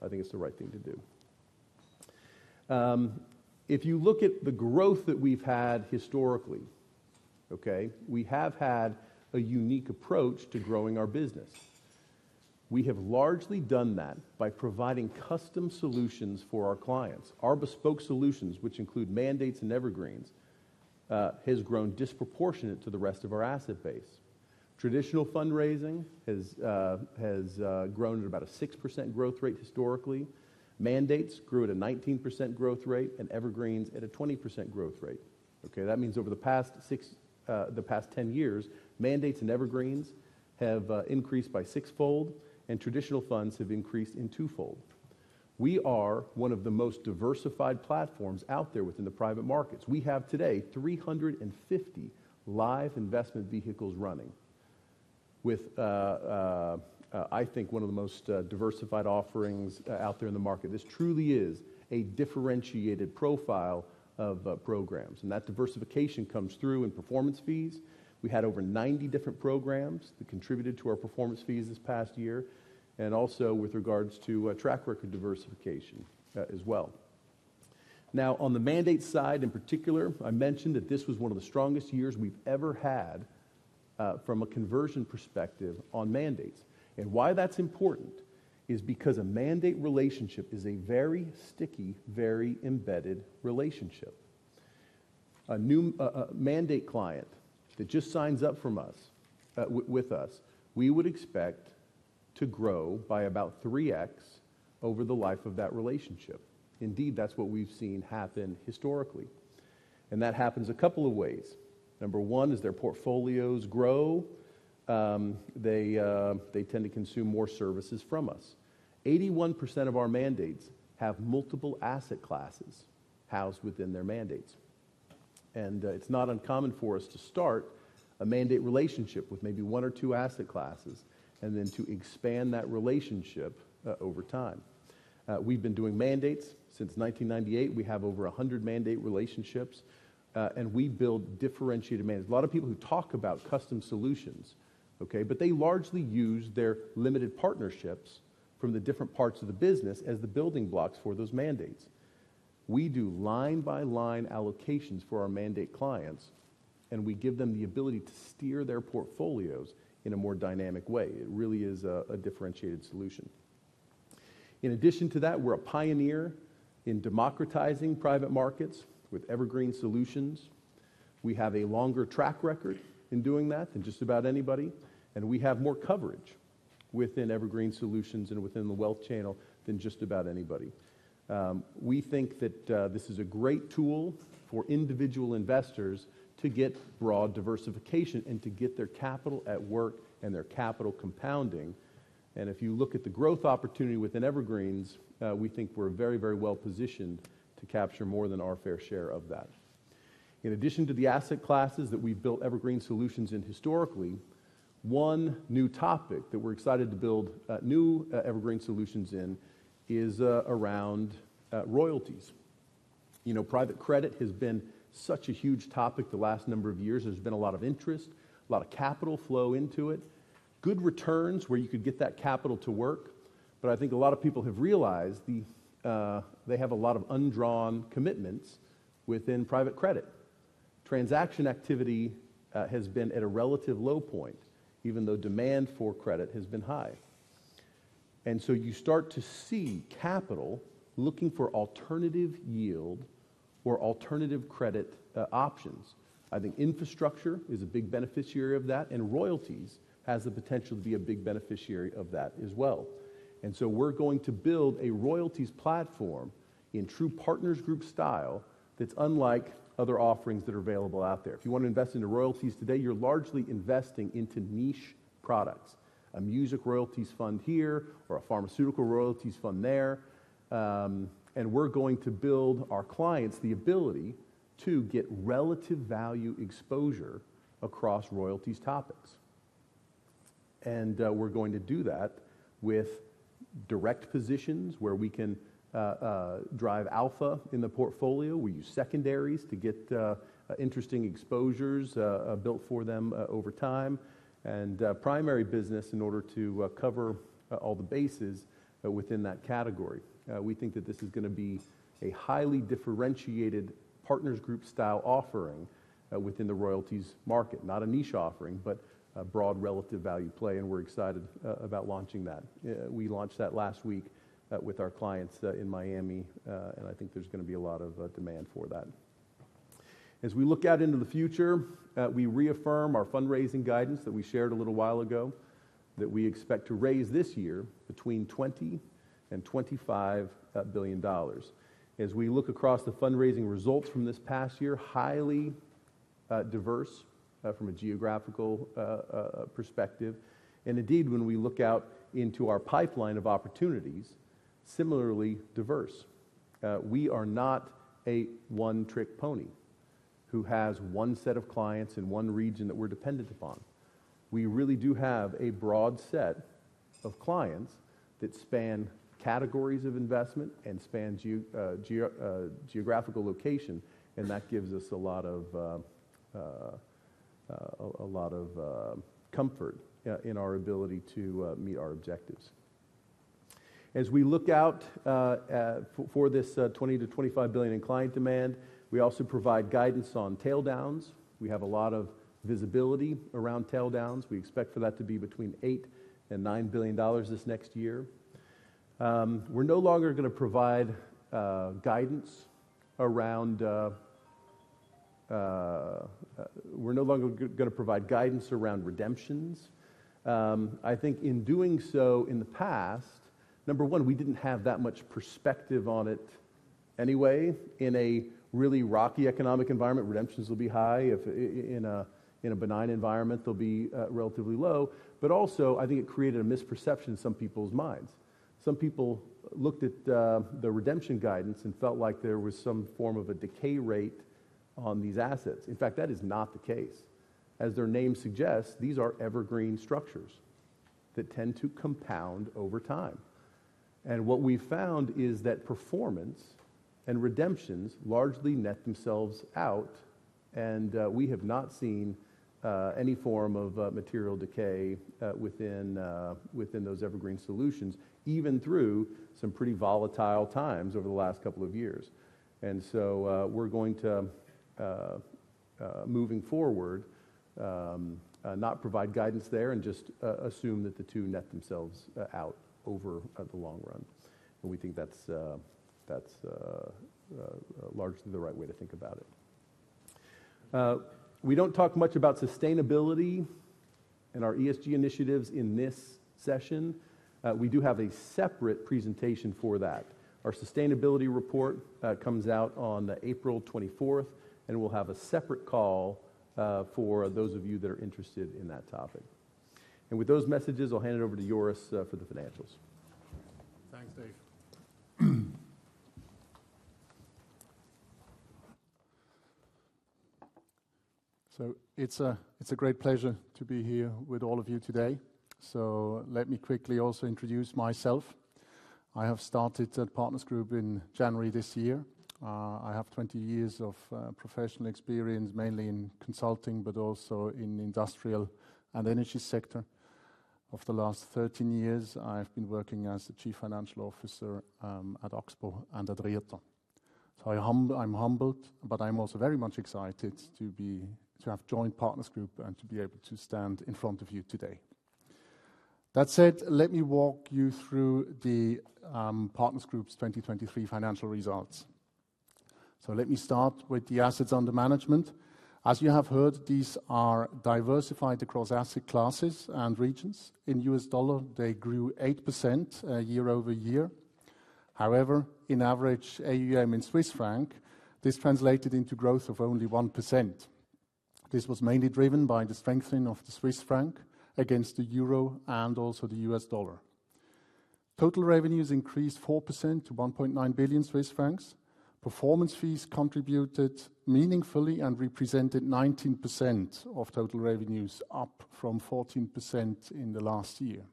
I think it's the right thing to do. If you look at the growth that we've had historically, okay, we have had a unique approach to growing our business. We have largely done that by providing custom solutions for our clients. Our bespoke solutions, which include mandates and evergreens, have grown disproportionate to the rest of our asset base. Traditional fundraising has grown at about a 6% growth rate historically. Mandates grew at a 19% growth rate and evergreens at a 20% growth rate. Okay. That means over the past six, the past 10 years, mandates and evergreens have increased by sixfold, and traditional funds have increased in twofold. We are one of the most diversified platforms out there within the private markets. We have today 350 live investment vehicles running with, I think, one of the most diversified offerings out there in the market. This truly is a differentiated profile of programs. And that diversification comes through in performance fees. We had over 90 different programs that contributed to our performance fees this past year, and also with regards to track record diversification as well. Now, on the mandate side in particular, I mentioned that this was one of the strongest years we've ever had from a conversion perspective on mandates. And why that's important is because a mandate relationship is a very sticky, very embedded relationship. A new mandate client that just signs up from us with us, we would expect to grow by about 3x over the life of that relationship. Indeed, that's what we've seen happen historically. That happens a couple of ways. Number one is their portfolios grow. They tend to consume more services from us. 81% of our mandates have multiple asset classes housed within their mandates. It's not uncommon for us to start a mandate relationship with maybe one or two asset classes and then to expand that relationship over time. We've been doing mandates since 1998. We have over 100 mandate relationships, and we build differentiated mandates. A lot of people who talk about custom solutions, okay, but they largely use their limited partnerships from the different parts of the business as the building blocks for those mandates. We do line by line allocations for our mandate clients, and we give them the ability to steer their portfolios in a more dynamic way. It really is a differentiated solution. In addition to that, we're a pioneer in democratizing private markets with evergreen solutions. We have a longer track record in doing that than just about anybody. And we have more coverage within evergreen solutions and within the wealth channel than just about anybody. We think that this is a great tool for individual investors to get broad diversification and to get their capital at work and their capital compounding. And if you look at the growth opportunity within evergreens, we think we're very, very well positioned to capture more than our fair share of that. In addition to the asset classes that we've built evergreen solutions in historically, one new topic that we're excited to build new evergreen solutions in is around royalties. You know, private credit has been such a huge topic the last number of years. There's been a lot of interest, a lot of capital flow into it, good returns where you could get that capital to work. But I think a lot of people have realized they have a lot of undrawn commitments within private credit. Transaction activity has been at a relative low point, even though demand for credit has been high. And so you start to see capital looking for alternative yield or alternative credit options. I think infrastructure is a big beneficiary of that, and royalties have the potential to be a big beneficiary of that as well. And so we're going to build a royalties platform in true Partners Group style that's unlike other offerings that are available out there. If you want to invest into royalties today, you're largely investing into niche products, a music royalties fund here or a pharmaceutical royalties fund there. We're going to build our clients the ability to get relative value exposure across royalties topics. We're going to do that with direct positions where we can drive alpha in the portfolio. We use secondaries to get interesting exposures built for them over time and primary business in order to cover all the bases within that category. We think that this is going to be a highly differentiated Partners Group style offering within the royalties market, not a niche offering, but a broad relative value play. We're excited about launching that. We launched that last week with our clients in Miami, and I think there's going to be a lot of demand for that. As we look out into the future, we reaffirm our fundraising guidance that we shared a little while ago that we expect to raise this year between $20 billion and $25 billion. As we look across the fundraising results from this past year, highly diverse from a geographical perspective. And indeed, when we look out into our pipeline of opportunities, similarly diverse. We are not a one trick pony who has one set of clients in one region that we're dependent upon. We really do have a broad set of clients that span categories of investment and span geographical location. And that gives us a lot of comfort in our ability to meet our objectives. As we look out for this $20 billion-$25 billion in client demand, we also provide guidance on tail downs. We have a lot of visibility around tail downs. We expect for that to be between $8 billion and $9 billion this next year. We're no longer going to provide guidance around redemptions. I think in doing so in the past, number one, we didn't have that much perspective on it anyway. In a really rocky economic environment, redemptions will be high. In a benign environment, they'll be relatively low. But also, I think it created a misperception in some people's minds. Some people looked at the redemption guidance and felt like there was some form of a decay rate on these assets. In fact, that is not the case. As their name suggests, these are evergreen structures that tend to compound over time. And what we've found is that performance and redemptions largely net themselves out. And we have not seen any form of material decay within those evergreen solutions, even through some pretty volatile times over the last couple of years. And so we're going to, moving forward, not provide guidance there and just assume that the two net themselves out over the long run. And we think that's largely the right way to think about it. We don't talk much about sustainability and our ESG initiatives in this session. We do have a separate presentation for that. Our sustainability report comes out on April 24th, and we'll have a separate call for those of you that are interested in that topic. And with those messages, I'll hand it over to Joris for the financials. Thanks, Dave. So it's a great pleasure to be here with all of you today. So let me quickly also introduce myself. I have started at Partners Group in January this year. I have 20 years of professional experience, mainly in consulting, but also in the industrial and energy sector. Over the last 13 years, I've been working as the Chief Financial Officer at Axpo and at Rieter. So I'm humbled, but I'm also very much excited to have joined Partners Group and to be able to stand in front of you today. That said, let me walk you through the Partners Group's 2023 financial results. So let me start with the assets under management. As you have heard, these are diversified across asset classes and regions. In U.S. dollar, they grew 8% year-over-year. However, in average AUM in Swiss franc, this translated into growth of only 1%. This was mainly driven by the strengthening of the Swiss franc against the euro and also the U.S. dollar. Total revenues increased 4% to 1.9 billion Swiss francs. Performance fees contributed meaningfully and represented 19% of total revenues, up from 14% in the last year.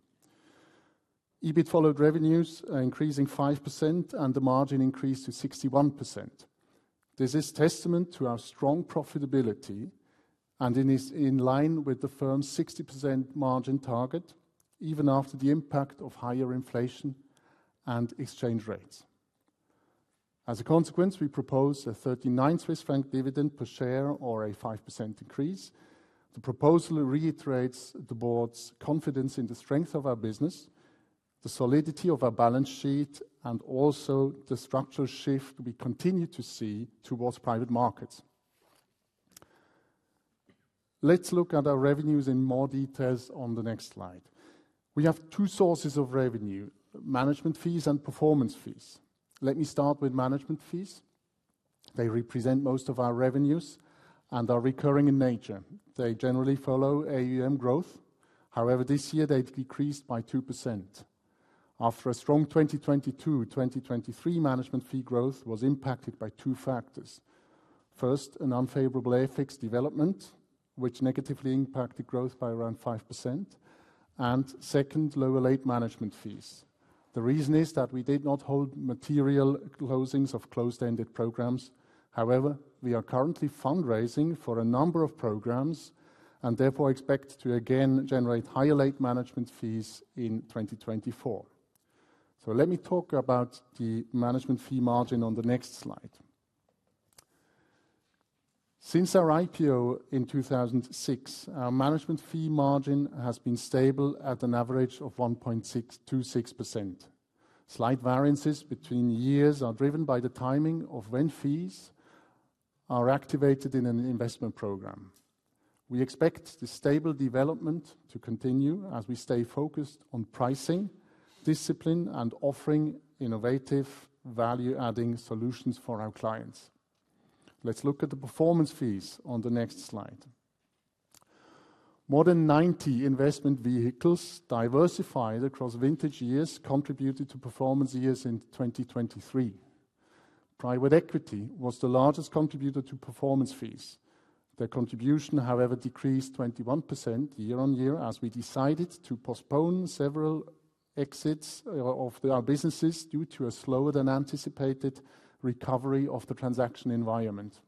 EBIT followed revenues, increasing 5%, and the margin increased to 61%. This is testament to our strong profitability and in line with the firm's 60% margin target, even after the impact of higher inflation and exchange rates. As a consequence, we propose a 39 Swiss franc dividend per share or a 5% increase. The proposal reiterates the board's confidence in the strength of our business, the solidity of our balance sheet, and also the structural shift we continue to see towards private markets. Let's look at our revenues in more details on the next slide. We have two sources of revenue: management fees and performance fees. Let me start with management fees. They represent most of our revenues and are recurring in nature. They generally follow AUM growth. However, this year, they decreased by 2%. After a strong 2022-2023 management fee growth was impacted by two factors. First, an unfavorable FX development, which negatively impacted growth by around 5%. Second, lower late management fees. The reason is that we did not hold material closings of closed-ended programs. However, we are currently fundraising for a number of programs and therefore expect to again generate higher late management fees in 2024. Let me talk about the management fee margin on the next slide. Since our IPO in 2006, our management fee margin has been stable at an average of 1.626%. Slight variances between years are driven by the timing of when fees are activated in an investment program. We expect the stable development to continue as we stay focused on pricing, discipline, and offering innovative value-adding solutions for our clients. Let's look at the performance fees on the next slide. More than 90 investment vehicles diversified across vintage years contributed to performance fees in 2023. Private equity was the largest contributor to performance fees. Their contribution, however, decreased 21% year-over-year as we decided to postpone several exits of our businesses due to a slower than anticipated recovery of the transaction environment.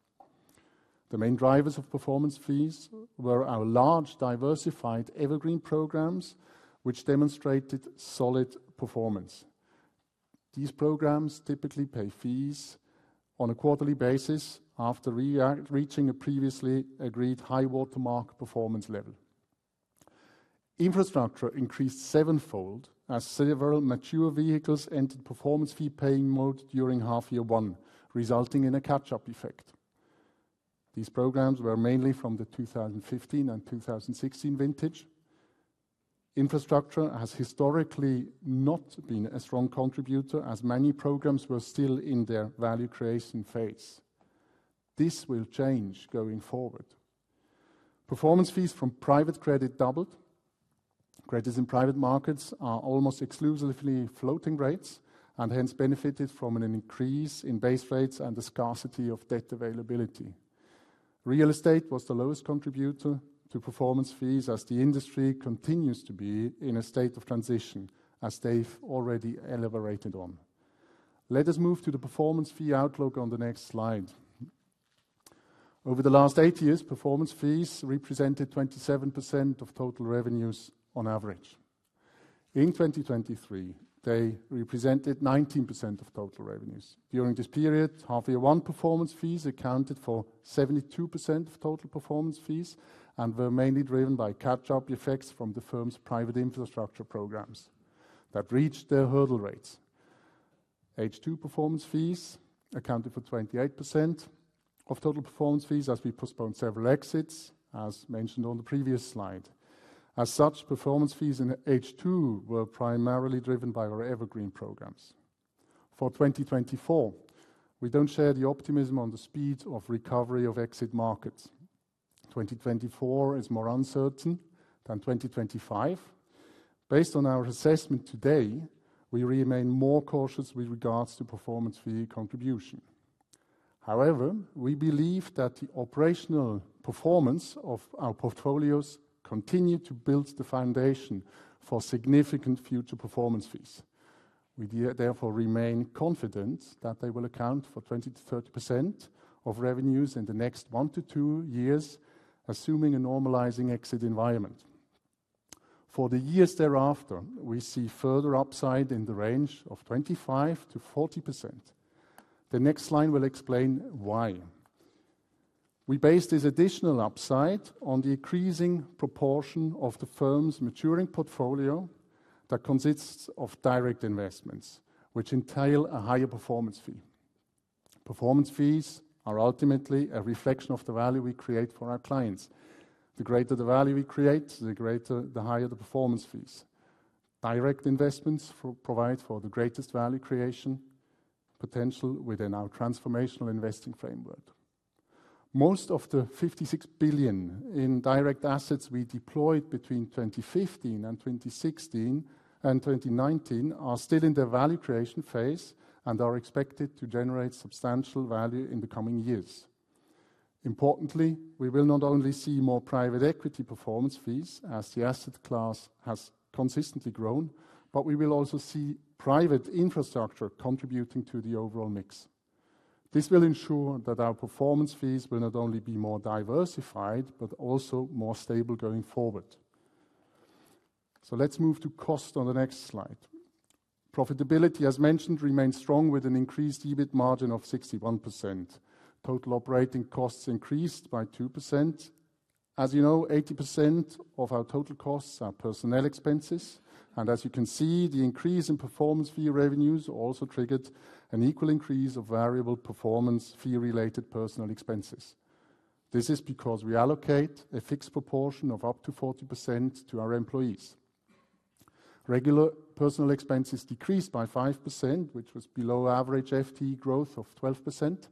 The main drivers of performance fees were our large diversified evergreen programs, which demonstrated solid performance. These programs typically pay fees on a quarterly basis after reaching a previously agreed high watermark performance level. Infrastructure increased sevenfold as several mature vehicles entered performance fee paying mode during half year one, resulting in a catch-up effect. These programs were mainly from the 2015 and 2016 vintage. Infrastructure has historically not been a strong contributor as many programs were still in their value creation phase. This will change going forward. Performance fees from private credit doubled. Credits in private markets are almost exclusively floating rates and hence benefited from an increase in base rates and the scarcity of debt availability. Real estate was the lowest contributor to performance fees as the industry continues to be in a state of transition, as Dave already elaborated on. Let us move to the performance fee outlook on the next slide. Over the last 80 years, performance fees represented 27% of total revenues on average. In 2023, they represented 19% of total revenues. During this period, H1 performance fees accounted for 72% of total performance fees and were mainly driven by catch-up effects from the firm's private infrastructure programs that reached their hurdle rates. H2 performance fees accounted for 28% of total performance fees as we postponed several exits, as mentioned on the previous slide. As such, performance fees in H2 were primarily driven by our evergreen programs. For 2024, we don't share the optimism on the speed of recovery of exit markets. 2024 is more uncertain than 2025. Based on our assessment today, we remain more cautious with regards to performance fee contribution. However, we believe that the operational performance of our portfolios continues to build the foundation for significant future performance fees. We therefore remain confident that they will account for 20%-30% of revenues in the next one to two years, assuming a normalizing exit environment. For the years thereafter, we see further upside in the range of 25%-40%. The next line will explain why. We based this additional upside on the increasing proportion of the firm's maturing portfolio that consists of direct investments, which entail a higher performance fee. Performance fees are ultimately a reflection of the value we create for our clients. The greater the value we create, the higher the performance fees. Direct investments provide for the greatest value creation potential within our transformational investing framework. Most of the 56 billion in direct assets we deployed between 2015 and 2016 and 2019 are still in their value creation phase and are expected to generate substantial value in the coming years. Importantly, we will not only see more private equity performance fees as the asset class has consistently grown, but we will also see private infrastructure contributing to the overall mix. This will ensure that our performance fees will not only be more diversified but also more stable going forward. So let's move to cost on the next slide. Profitability, as mentioned, remains strong with an increased EBIT margin of 61%. Total operating costs increased by 2%. As you know, 80% of our total costs are personnel expenses. As you can see, the increase in performance fee revenues also triggered an equal increase of variable performance fee-related personal expenses. This is because we allocate a fixed proportion of up to 40% to our employees. Regular personal expenses decreased by 5%, which was below average FTE growth of 12%.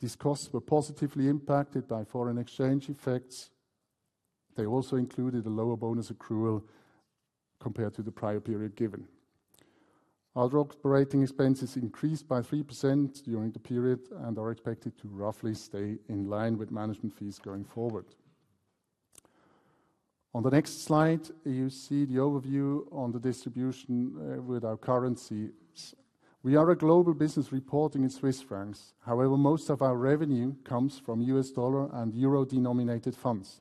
These costs were positively impacted by foreign exchange effects. They also included a lower bonus accrual compared to the prior period given. Our operating expenses increased by 3% during the period and are expected to roughly stay in line with management fees going forward. On the next slide, you see the overview on the distribution with our currencies. We are a global business reporting in Swiss francs. However, most of our revenue comes from U.S. dollar and euro denominated funds.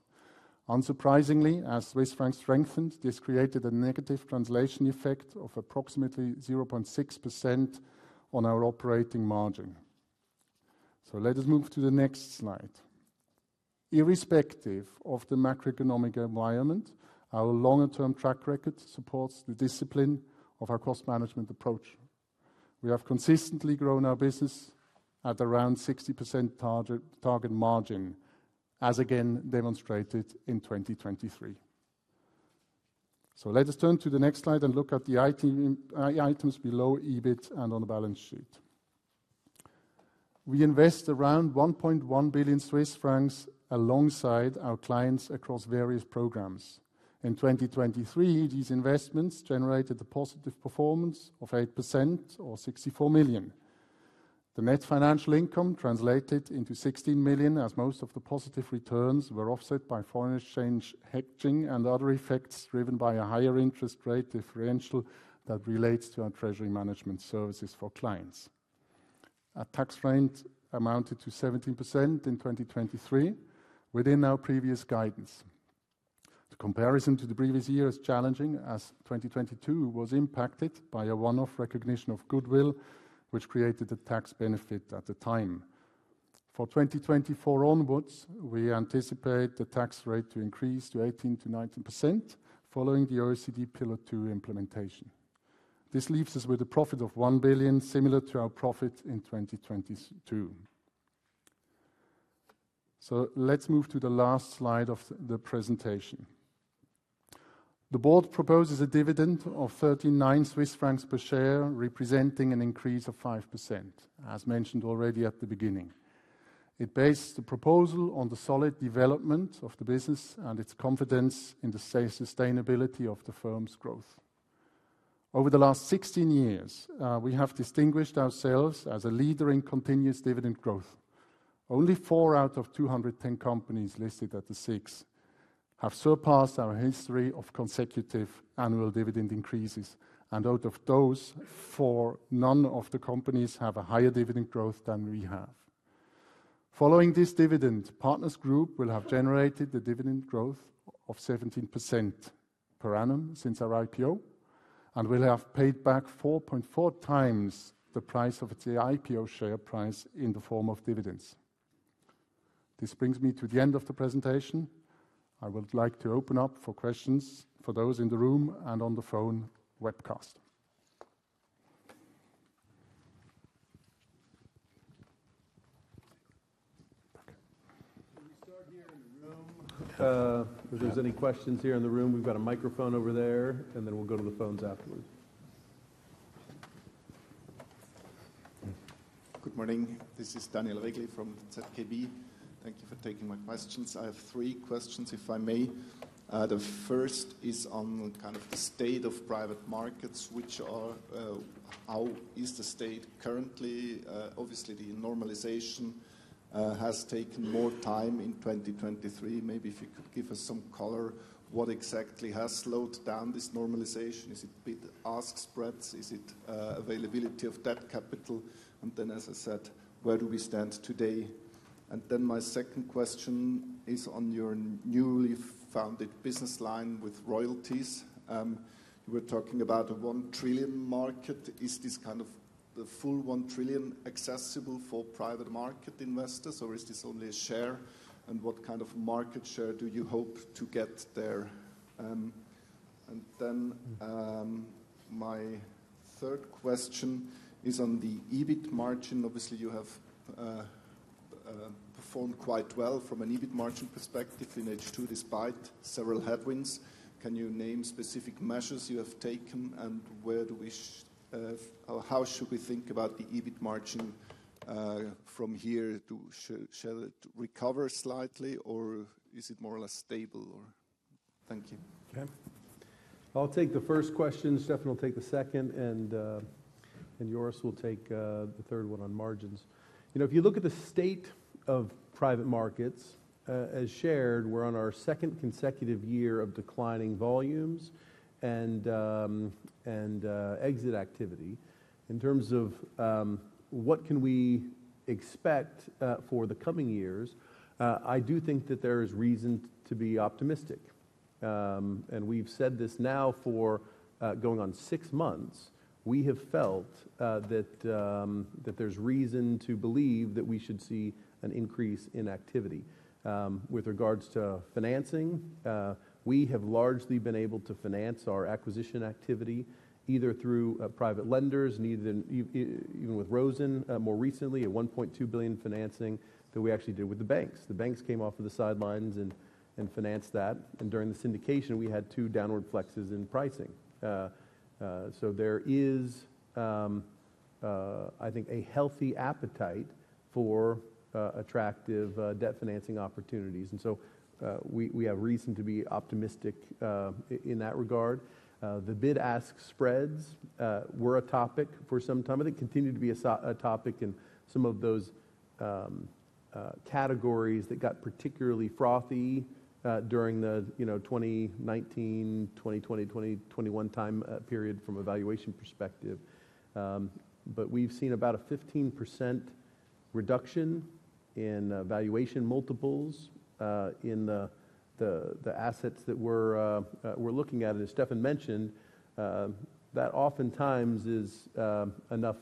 Unsurprisingly, as Swiss francs strengthened, this created a negative translation effect of approximately 0.6% on our operating margin. Let us move to the next slide. Irrespective of the macroeconomic environment, our longer-term track record supports the discipline of our cost management approach. We have consistently grown our business at around 60% target margin, as again demonstrated in 2023. Let us turn to the next slide and look at the items below EBIT and on the balance sheet. We invest around 1.1 billion Swiss francs alongside our clients across various programs. In 2023, these investments generated a positive performance of 8% or 64 million. The net financial income translated into 16 million as most of the positive returns were offset by foreign exchange hedging and other effects driven by a higher interest rate differential that relates to our treasury management services for clients. A tax rate amounted to 17% in 2023 within our previous guidance. The comparison to the previous year is challenging as 2022 was impacted by a one-off recognition of goodwill, which created a tax benefit at the time. For 2024 onwards, we anticipate the tax rate to increase to 18%-19% following the OECD Pillar 2 implementation. This leaves us with a profit of 1 billion similar to our profit in 2022. So let's move to the last slide of the presentation. The board proposes a dividend of 39 Swiss francs per share, representing an increase of 5%, as mentioned already at the beginning. It based the proposal on the solid development of the business and its confidence in the sustainability of the firm's growth. Over the last 16 years, we have distinguished ourselves as a leader in continuous dividend growth. Only four out of 210 companies listed at the SIX have surpassed our history of consecutive annual dividend increases, and out of those four, none of the companies have a higher dividend growth than we have. Following this dividend, Partners Group will have generated the dividend growth of 17% per annum since our IPO and will have paid back 4.4x the price of its IPO share price in the form of dividends. This brings me to the end of the presentation. I would like to open up for questions for those in the room and on the phone webcast. Can we start here in the room? If there's any questions here in the room, we've got a microphone over there, and then we'll go to the phones afterwards. Good morning. This is Daniel Regli from ZKB. Thank you for taking my questions. I have three questions, if I may. The first is on kind of the state of private markets, which are how is the state currently? Obviously, the normalization has taken more time in 2023. Maybe if you could give us some color, what exactly has slowed down this normalization? Is it bid-ask spreads? Is it availability of debt capital? And then, as I said, where do we stand today? And then my second question is on your newly founded business line with royalties. You were talking about a $1 trillion market. Is this kind of the full $1 trillion accessible for private market investors, or is this only a share? And what kind of market share do you hope to get there? And then my third question is on the EBIT margin. Obviously, you have performed quite well from an EBIT margin perspective in H2 despite several headwinds. Can you name specific measures you have taken, and where do we, how should we think about the EBIT margin from here? Shall it recover slightly, or is it more or less stable? Thank you. Okay. I'll take the first questions. Steffen will take the second, and yours will take the third one on margins. If you look at the state of private markets as shared, we're on our second consecutive year of declining volumes and exit activity. In terms of what can we expect for the coming years, I do think that there is reason to be optimistic. And we've said this now for going on six months. We have felt that there's reason to believe that we should see an increase in activity. With regards to financing, we have largely been able to finance our acquisition activity either through private lenders, even with Rosen more recently, a 1.2 billion financing that we actually did with the banks. The banks came off of the sidelines and financed that. During the syndication, we had two downward flexes in pricing. So there is, I think, a healthy appetite for attractive debt financing opportunities. And so we have reason to be optimistic in that regard. The bid-ask spreads were a topic for some time. They continue to be a topic in some of those categories that got particularly frothy during the 2019, 2020, 2021 time period from a valuation perspective. But we've seen about a 15% reduction in valuation multiples in the assets that we're looking at. As Steffen mentioned, that oftentimes is enough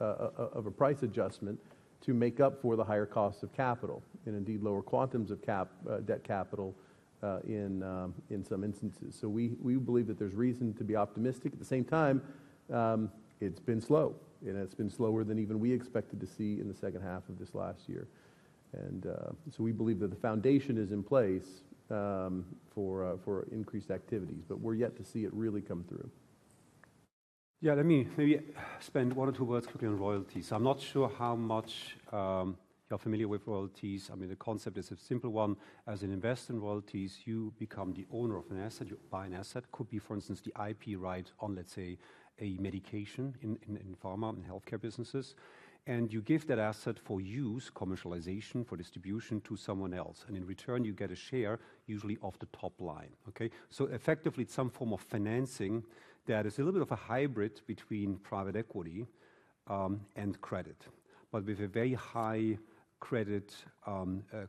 of a price adjustment to make up for the higher costs of capital and indeed lower quantums of debt capital in some instances. We believe that there's reason to be optimistic. At the same time, it's been slow, and it's been slower than even we expected to see in the second half of this last year. We believe that the foundation is in place for increased activities, but we're yet to see it really come through. Yeah. Let me maybe spend one or two words quickly on royalties. I'm not sure how much you're familiar with royalties. I mean, the concept is a simple one. As an investor in royalties, you become the owner of an asset. You buy an asset. Could be, for instance, the IP right on, let's say, a medication in pharma and healthcare businesses. And you give that asset for use, commercialization, for distribution to someone else. And in return, you get a share, usually of the top line. Okay? So effectively, it's some form of financing that is a little bit of a hybrid between private equity and credit, but with a very high credit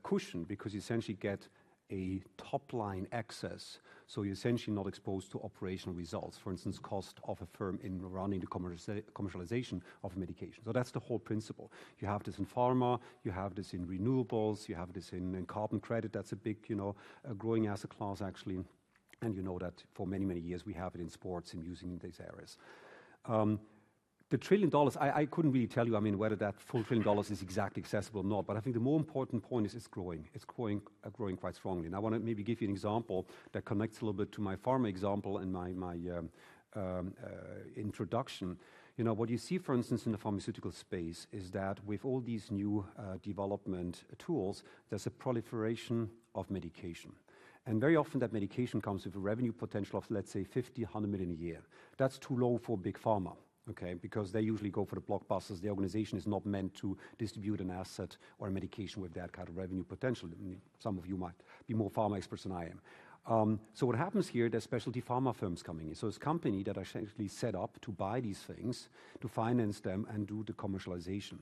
cushion because you essentially get a top line access. So you're essentially not exposed to operational results, for instance, cost of a firm in running the commercialization of a medication. So that's the whole principle. You have this in pharma. You have this in renewables. You have this in carbon credit. That's a big growing asset class, actually. And you know that for many, many years, we have it in sports and using in these areas. The $1 trillion, I couldn't really tell you, I mean, whether that full $1 trillion is exactly accessible or not. But I think the more important point is it's growing. It's growing quite strongly. I want to maybe give you an example that connects a little bit to my pharma example in my introduction. What you see, for instance, in the pharmaceutical space is that with all these new development tools, there's a proliferation of medication. And very often, that medication comes with a revenue potential of, let's say, 50 million-100 million a year. That's too low for big pharma, okay? Because they usually go for the blockbusters. The organization is not meant to distribute an asset or a medication with that kind of revenue potential. Some of you might be more pharma experts than I am. What happens here, there's specialty pharma firms coming in. So there's a company that I essentially set up to buy these things, to finance them, and do the commercialization.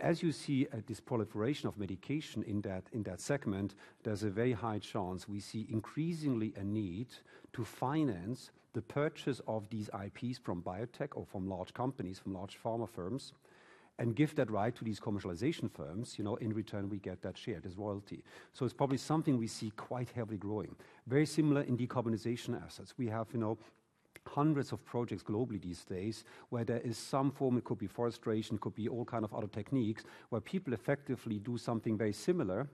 As you see this proliferation of medication in that segment, there's a very high chance we see increasingly a need to finance the purchase of these IPs from biotech or from large companies, from large pharma firms, and give that right to these commercialization firms. In return, we get that share as royalty. So it's probably something we see quite heavily growing. Very similar in decarbonization assets. We have hundreds of projects globally these days where there is some form. It could be afforestation. It could be all kinds of other techniques where people effectively do something very similar,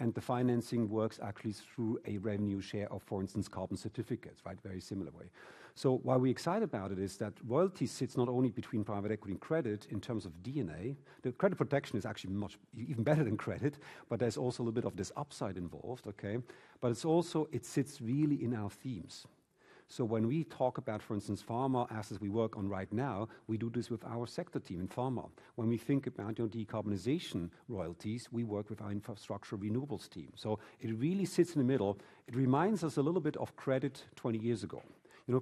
and the financing works actually through a revenue share of, for instance, carbon certificates, right? Very similar way. So why we're excited about it is that royalty sits not only between private equity and credit in terms of DNA. The credit protection is actually much even better than credit, but there's also a little bit of this upside involved, okay? But it sits really in our themes. So when we talk about, for instance, pharma assets we work on right now, we do this with our sector team in pharma. When we think about decarbonization royalties, we work with our infrastructure renewables team. So it really sits in the middle. It reminds us a little bit of credit 20 years ago.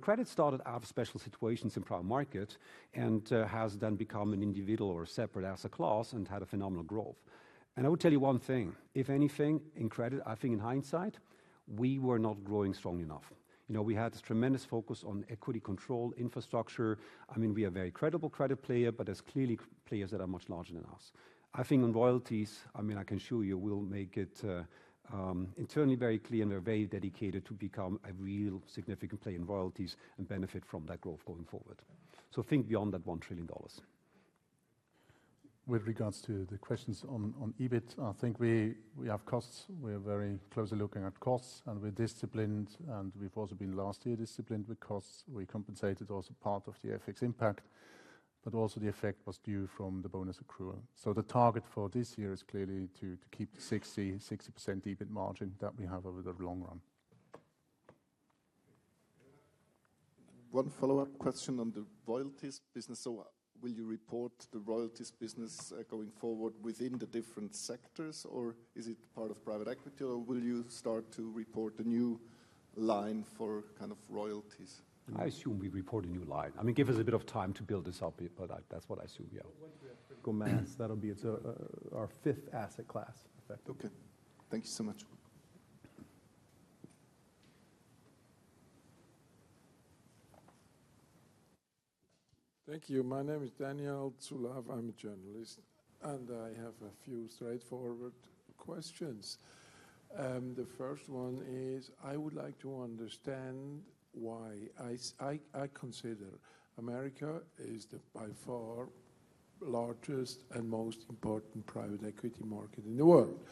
Credit started out of special situations in private market and has then become an individual or a separate asset class and had a phenomenal growth. And I would tell you one thing. If anything in credit, I think in hindsight, we were not growing strongly enough. We had this tremendous focus on equity control, infrastructure. I mean, we are a very credible credit player, but there's clearly players that are much larger than us. I think on royalties, I mean, I can assure you we'll make it internally very clear, and we're very dedicated to become a real significant player in royalties and benefit from that growth going forward. So think beyond that $1 trillion. With regards to the questions on EBIT, I think we have costs. We're very closely looking at costs, and we're disciplined. And we've also been last year disciplined with costs. We compensated also part of the FX impact, but also the effect was due from the bonus accrual. So the target for this year is clearly to keep the 60% EBIT margin that we have over the long run. One follow-up question on the royalties business. So will you report the royalties business going forward within the different sectors, or is it part of private equity, or will you start to report a new line for kind of royalties? I assume we report a new line. I mean, give us a bit of time to build this up, but that's what I assume. Yeah. Goes as. That'll be our fifth asset class, effectively. Okay. Thank you so much. Thank you. My name is Daniel Zulauf. I'm a journalist, and I have a few straightforward questions. The first one is I would like to understand why I consider America is the by far largest and most important private equity market in the world.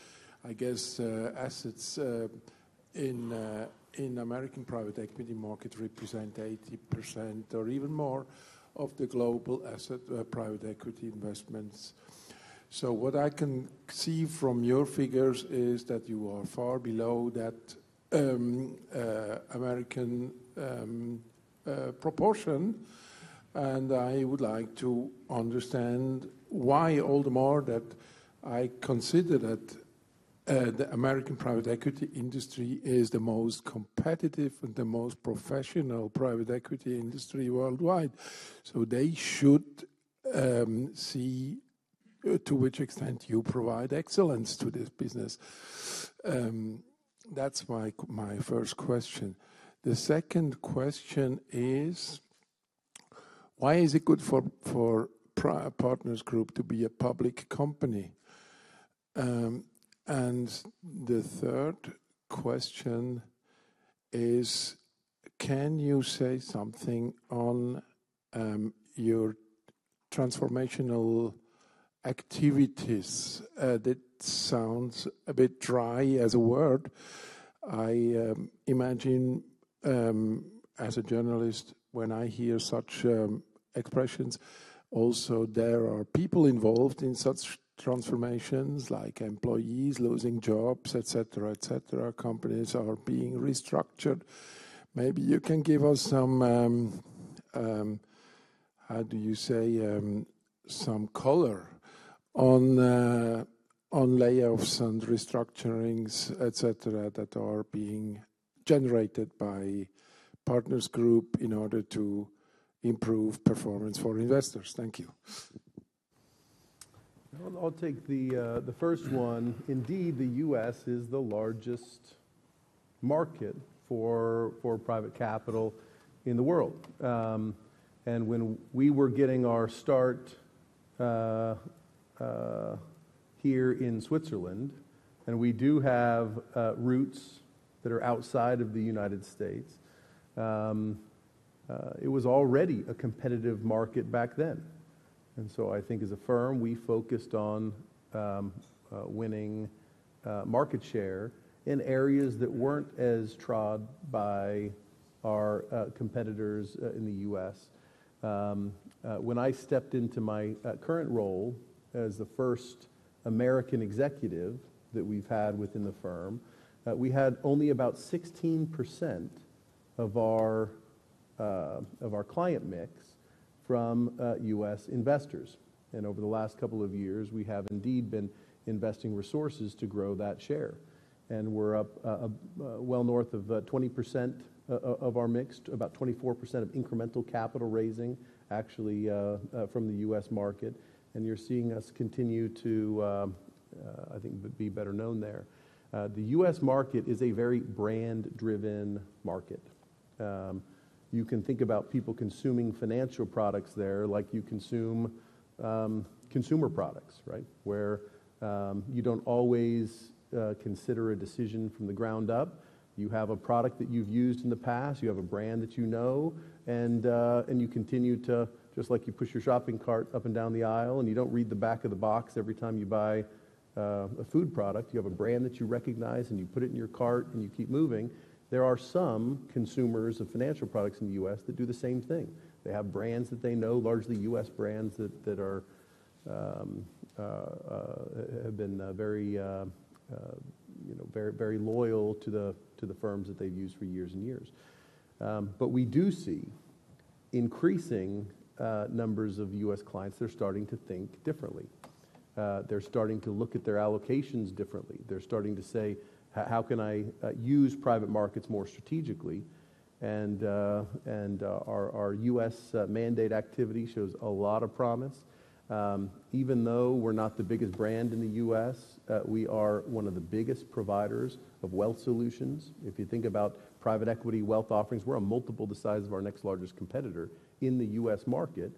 I guess assets in American private equity market represent 80% or even more of the global private equity investments. So what I can see from your figures is that you are far below that American proportion. I would like to understand why all the more that I consider that the American private equity industry is the most competitive and the most professional private equity industry worldwide. So they should see to which extent you provide excellence to this business. That's my first question. The second question is why is it good for Partners Group to be a public company? The third question is can you say something on your transformational activities? That sounds a bit dry as a word. I imagine as a journalist, when I hear such expressions, also there are people involved in such transformations like employees losing jobs, etc., etc. Companies are being restructured. Maybe you can give us some how do you say? Some color on layoffs and restructurings, etc., that are being generated by Partners Group in order to improve performance for investors. Thank you. I'll take the first one. Indeed, the U.S. is the largest market for private capital in the world. When we were getting our start here in Switzerland, and we do have roots that are outside of the United States, it was already a competitive market back then. So I think as a firm, we focused on winning market share in areas that weren't as trod by our competitors in the U.S. When I stepped into my current role as the first American executive that we've had within the firm, we had only about 16% of our client mix from U.S. investors. Over the last couple of years, we have indeed been investing resources to grow that share. We're up well north of 20% of our mix, about 24% of incremental capital raising actually from the U.S. market. You're seeing us continue to, I think, be better known there. The U.S. market is a very brand-driven market. You can think about people consuming financial products there like you consume consumer products, right? Where you don't always consider a decision from the ground up. You have a product that you've used in the past. You have a brand that you know. You continue to just like you push your shopping cart up and down the aisle, and you don't read the back of the box every time you buy a food product. You have a brand that you recognize, and you put it in your cart, and you keep moving. There are some consumers of financial products in the U.S. that do the same thing. They have brands that they know, largely U.S. brands that have been very loyal to the firms that they've used for years and years. But we do see increasing numbers of U.S. clients. They're starting to think differently. They're starting to look at their allocations differently. They're starting to say, "how can I use private markets more strategically?" And our U.S. mandate activity shows a lot of promise. Even though we're not the biggest brand in the U.S., we are one of the biggest providers of wealth solutions. If you think about private equity wealth offerings, we're a multiple the size of our next largest competitor in the U.S. market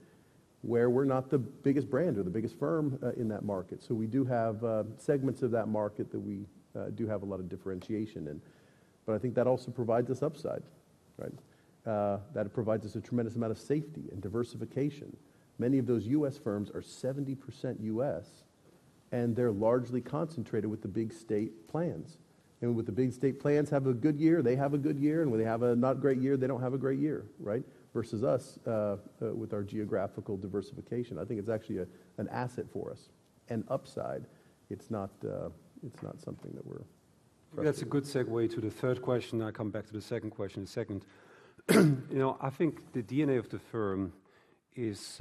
where we're not the biggest brand or the biggest firm in that market. So we do have segments of that market that we do have a lot of differentiation in. But I think that also provides us upside, right? That provides us a tremendous amount of safety and diversification. Many of those U.S. firms are 70% U.S., and they're largely concentrated with the big state plans. And with the big state plans, have a good year, they have a good year. And when they have a not great year, they don't have a great year, right? Versus us with our geographical diversification. I think it's actually an asset for us, an upside. It's not something. I think that's a good segue to the third question. I'll come back to the second question in a second. I think the DNA of the firm is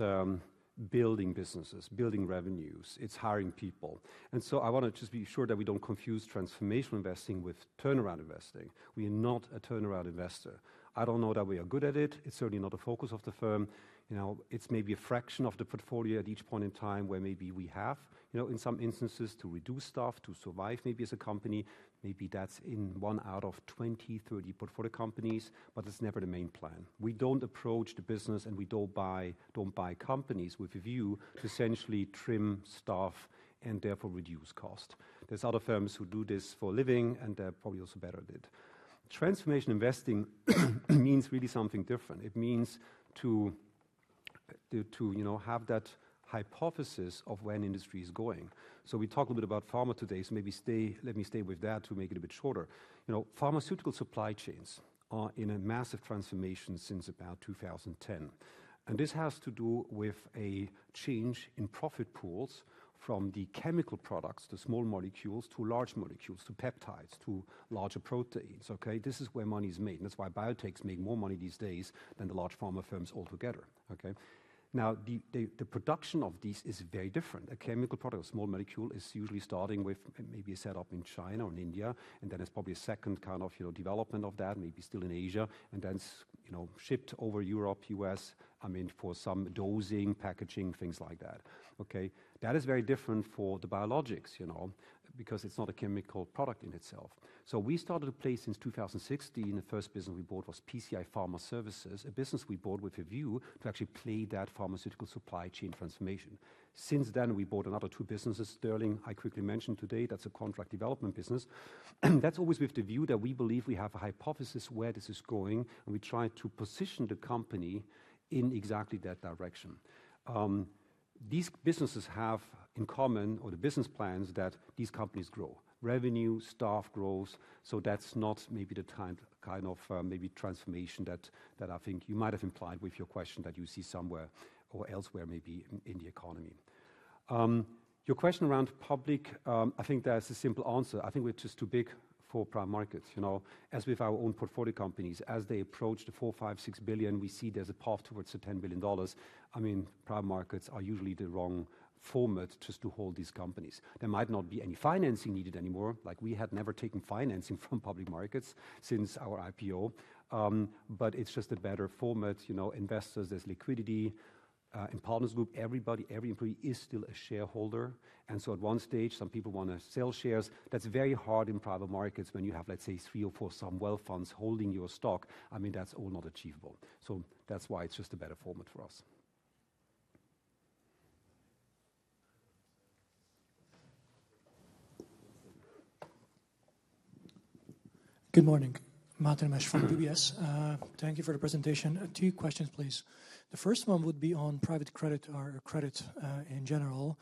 building businesses, building revenues. It's hiring people. And so I want to just be sure that we don't confuse transformational investing with turnaround investing. We are not a turnaround investor. I don't know that we are good at it. It's certainly not a focus of the firm. It's maybe a fraction of the portfolio at each point in time where maybe we have, in some instances, to reduce staff, to survive maybe as a company. Maybe that's in one out of 20-30 portfolio companies, but it's never the main plan. We don't approach the business, and we don't buy companies with a view to essentially trim staff and therefore reduce cost. There's other firms who do this for a living, and they're probably also better at it. Transformational investing means really something different. It means to have that hypothesis of where an industry is going. So we talk a little bit about pharma today. So maybe let me stay with that to make it a bit shorter. Pharmaceutical supply chains are in a massive transformation since about 2010. This has to do with a change in profit pools from the chemical products, the small molecules, to large molecules, to peptides, to larger proteins, okay? This is where money is made. And that's why biotechs make more money these days than the large pharma firms altogether, okay? Now, the production of these is very different. A chemical product, a small molecule, is usually starting with maybe a setup in China or in India, and then it's probably a second kind of development of that, maybe still in Asia, and then shipped over Europe, U.S., I mean, for some dosing, packaging, things like that, okay? That is very different for the biologics because it's not a chemical product in itself. So we started to play since 2016. The first business we bought was PCI Pharma Services, a business we bought with a view to actually play that pharmaceutical supply chain transformation. Since then, we bought another two businesses, Sterling, I quickly mentioned today. That's a contract development business. That's always with the view that we believe we have a hypothesis where this is going, and we try to position the company in exactly that direction. These businesses have in common or the business plans that these companies grow, revenue, staff growth. So that's not maybe the kind of maybe transformation that I think you might have implied with your question that you see somewhere or elsewhere, maybe in the economy. Your question around public, I think there's a simple answer. I think we're just too big for private markets, as with our own portfolio companies. As they approach the $4 billion, $5 billion, $6 billion, we see there's a path towards the $10 billion. I mean, private markets are usually the wrong format just to hold these companies. There might not be any financing needed anymore. We had never taken financing from public markets since our IPO, but it's just a better format. Investors, there's liquidity in Partners Group. Everybody, every employee is still a shareholder. And so at one stage, some people want to sell shares. That's very hard in private markets when you have, let's say, three or four some wealth funds holding your stock. I mean, that's all not achievable. So that's why it's just a better format for us. Good morning. Mate Nemes from UBS. Thank you for the presentation. Two questions, please. The first one would be on private credit or credit in general.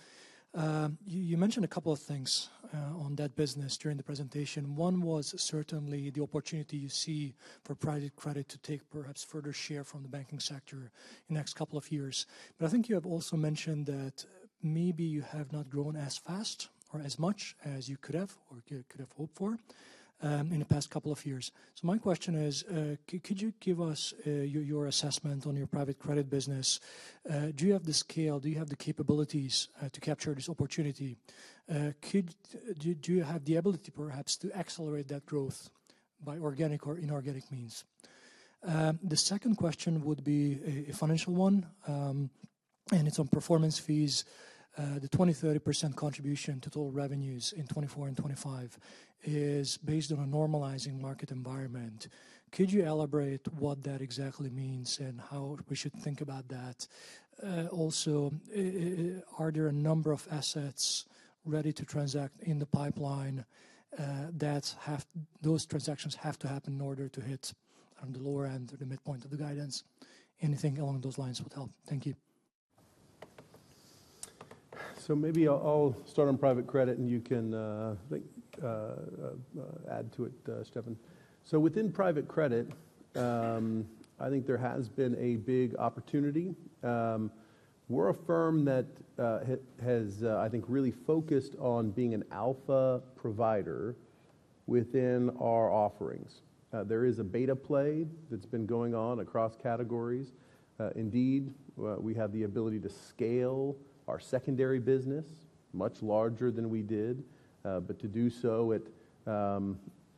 You mentioned a couple of things on that business during the presentation. One was certainly the opportunity you see for private credit to take perhaps further share from the banking sector in the next couple of years. But I think you have also mentioned that maybe you have not grown as fast or as much as you could have or could have hoped for in the past couple of years. So my question is, could you give us your assessment on your private credit business? Do you have the scale? Do you have the capabilities to capture this opportunity? Do you have the ability perhaps to accelerate that growth by organic or inorganic means? The second question would be a financial one, and it's on performance fees. The 20%-30% contribution total revenues in 2024 and 2025 is based on a normalizing market environment. Could you elaborate what that exactly means and how we should think about that? Also, are there a number of assets ready to transact in the pipeline that those transactions have to happen in order to hit the lower end or the midpoint of the guidance? Anything along those lines would help. Thank you. Maybe I'll start on private credit, and you can add to it, Steffen. Within private credit, I think there has been a big opportunity. We're a firm that has, I think, really focused on being an alpha provider within our offerings. There is a beta play that's been going on across categories. Indeed, we have the ability to scale our secondary business much larger than we did, but to do so at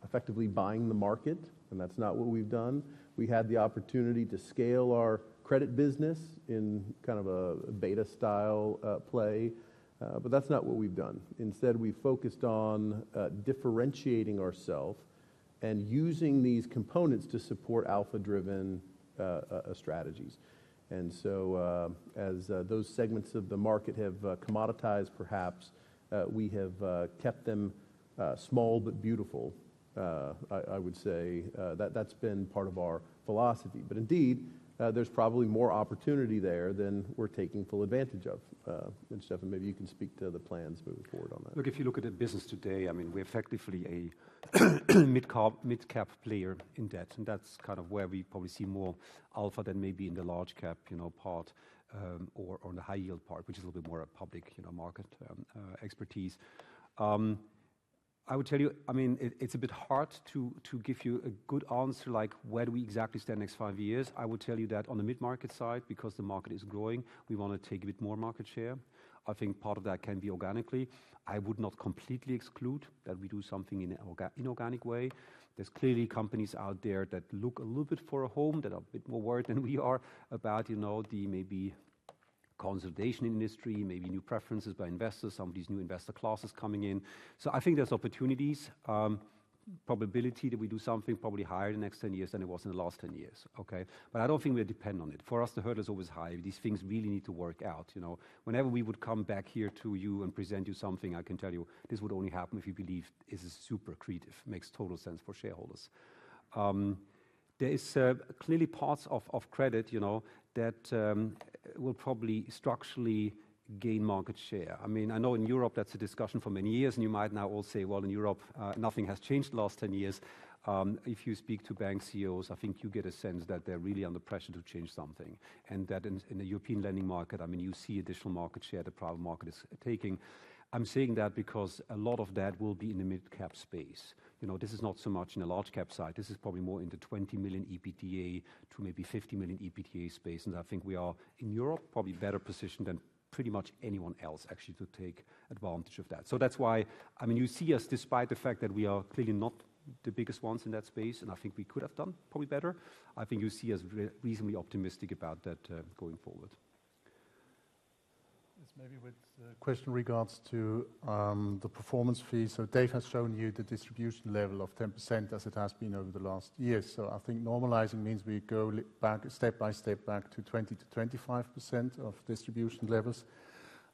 effectively buying the market, and that's not what we've done. We had the opportunity to scale our credit business in kind of a beta style play, but that's not what we've done. Instead, we've focused on differentiating ourselves and using these components to support alpha-driven strategies. And so as those segments of the market have commoditized, perhaps we have kept them small but beautiful, I would say. That's been part of our philosophy. But indeed, there's probably more opportunity there than we're taking full advantage of. And Steffen, maybe you can speak to the plans moving forward on that. Look, if you look at the business today, I mean, we're effectively a mid-cap player in debt. And that's kind of where we probably see more alpha than maybe in the large-cap part or on the high-yield part, which is a little bit more a public market expertise. I would tell you, I mean, it's a bit hard to give you a good answer like where do we exactly stand next five years. I would tell you that on the mid-market side, because the market is growing, we want to take a bit more market share. I think part of that can be organically. I would not completely exclude that we do something in an inorganic way. There's clearly companies out there that look a little bit for a home that are a bit more worried than we are about the maybe consolidation industry, maybe new preferences by investors, some of these new investor classes coming in. So I think there's opportunities, probability that we do something probably higher the next 10 years than it was in the last 10 years, okay? But I don't think we are dependent on it. For us, the hurdle is always high. These things really need to work out. Whenever we would come back here to you and present you something, I can tell you this would only happen if you believe this is super creative, makes total sense for shareholders. There are clearly parts of credit that will probably structurally gain market share. I mean, I know in Europe, that's a discussion for many years. You might now all say, "well, in Europe, nothing has changed the last 10 years." If you speak to bank CEOs, I think you get a sense that they're really under pressure to change something and that in the European lending market, I mean, you see additional market share the private market is taking. I'm saying that because a lot of that will be in the mid-cap space. This is not so much in the large-cap side. This is probably more in the 20 million EBITDA to maybe 50 million EBITDA space. I think we are in Europe probably better positioned than pretty much anyone else actually to take advantage of that. So that's why, I mean, you see us despite the fact that we are clearly not the biggest ones in that space, and I think we could have done probably better. I think you see us reasonably optimistic about that going forward. Yes, maybe with a question in regards to the performance fees. So Dave has shown you the distribution level of 10% as it has been over the last years. So I think normalizing means we go back step by step back to 20%-25% of distribution levels.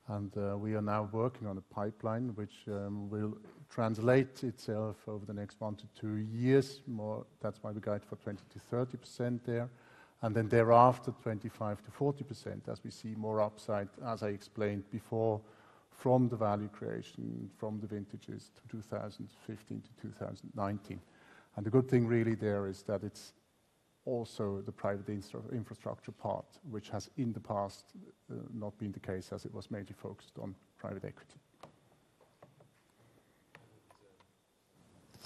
And we are now working on a pipeline which will translate itself over the next one to two years. That's why we guide for 20%-30% there, and then thereafter 25%-40% as we see more upside, as I explained before, from the value creation, from the vintages to 2015 to 2019. And the good thing really there is that it's also the private infrastructure part, which has in the past not been the case as it was majorly focused on private equity.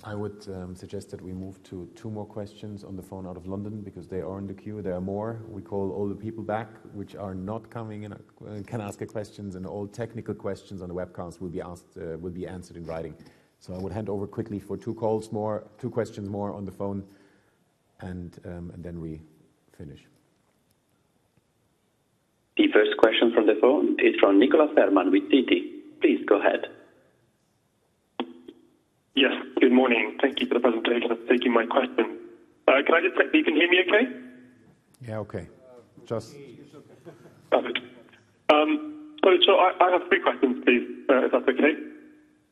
I would suggest that we move to two more questions on the phone out of London because they are in the queue. There are more. We call all the people back which are not coming and can ask questions. And all technical questions on the webcast will be answered in writing. So I would hand over quickly for two calls more, two questions more on the phone, and then we finish. The first question from the phone is from Nicholas Herman with Citi. Please go ahead. Yes. Good morning. Thank you for the presentation and for taking my question. Can I just check that you can hear me okay? Yeah, okay. Just. Perfect. So I have three questions, please, if that's okay.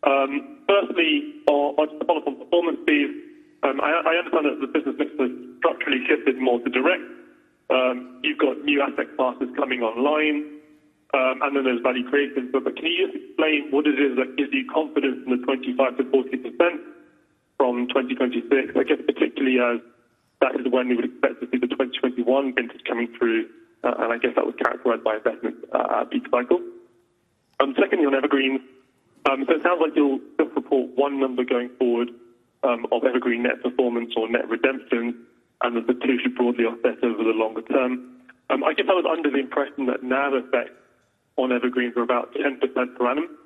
Firstly, I'd just follow up on performance fees. I understand that the business mix has structurally shifted more to direct. You've got new asset classes coming online, and then there's value creation. But can you just explain what it is that gives you confidence in the 25%-40% from 2026, I guess, particularly as that is when we would expect to see the 2021 vintage coming through. And I guess that was characterized by investment at peak cycle. Secondly, on evergreens. So it sounds like you'll just report one number going forward of evergreen net performance or net redemption, and that the two should broadly offset over the longer term. I guess I was under the impression that NAV effects on evergreens are about 10% per annum.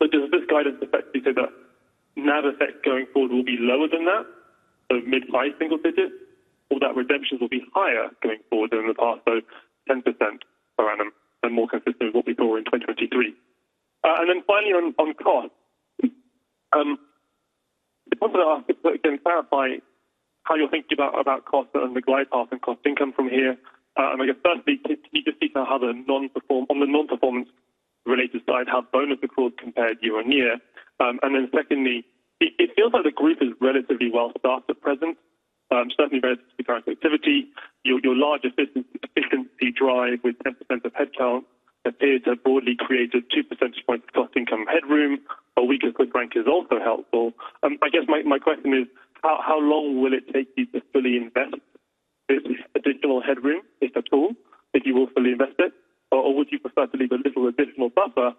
So does this guidance effectively say that NAV effects going forward will be lower than that, so mid-size single digits, or that redemptions will be higher going forward than in the past, so 10% per annum and more consistent with what we saw in 2023? And then finally, on cost, I just wanted to ask again, clarify how you're thinking about cost and the glide path and cost income from here. And I guess, firstly, can you just speak to how the non-performance related side have bonus accruals compared year-on-year? And then secondly, it feels like the group is relatively well-staffed at present, certainly relative to current activity. Your large efficiency drive with 10% of headcount appears to have broadly created 2 percentage points of cost income headroom. A weaker Swiss franc is also helpful. I guess my question is, how long will it take you to fully invest this additional headroom, if at all, if you will fully invest it? Or would you prefer to leave a little additional buffer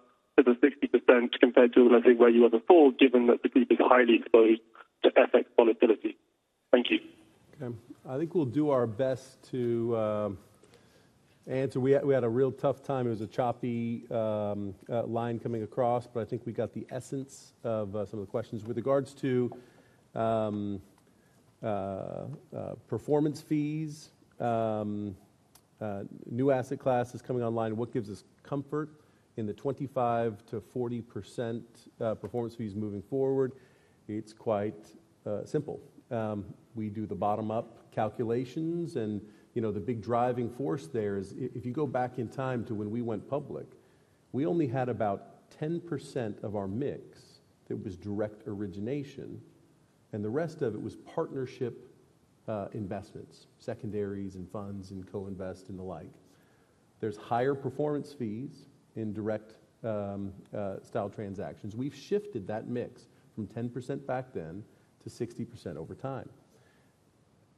to the 60% compared to, let's say, where you were before, given that the group is highly exposed to FX volatility? Thank you. Okay. I think we'll do our best to answer. We had a real tough time. It was a choppy line coming across, but I think we got the essence of some of the questions with regards to performance fees. New asset classes coming online. What gives us comfort in the 25%-40% performance fees moving forward? It's quite simple. We do the bottom-up calculations. The big driving force there is if you go back in time to when we went public, we only had about 10% of our mix that was direct origination, and the rest of it was partnership investments, secondaries and funds and co-invest and the like. There's higher performance fees in direct-style transactions. We've shifted that mix from 10% back then to 60% over time.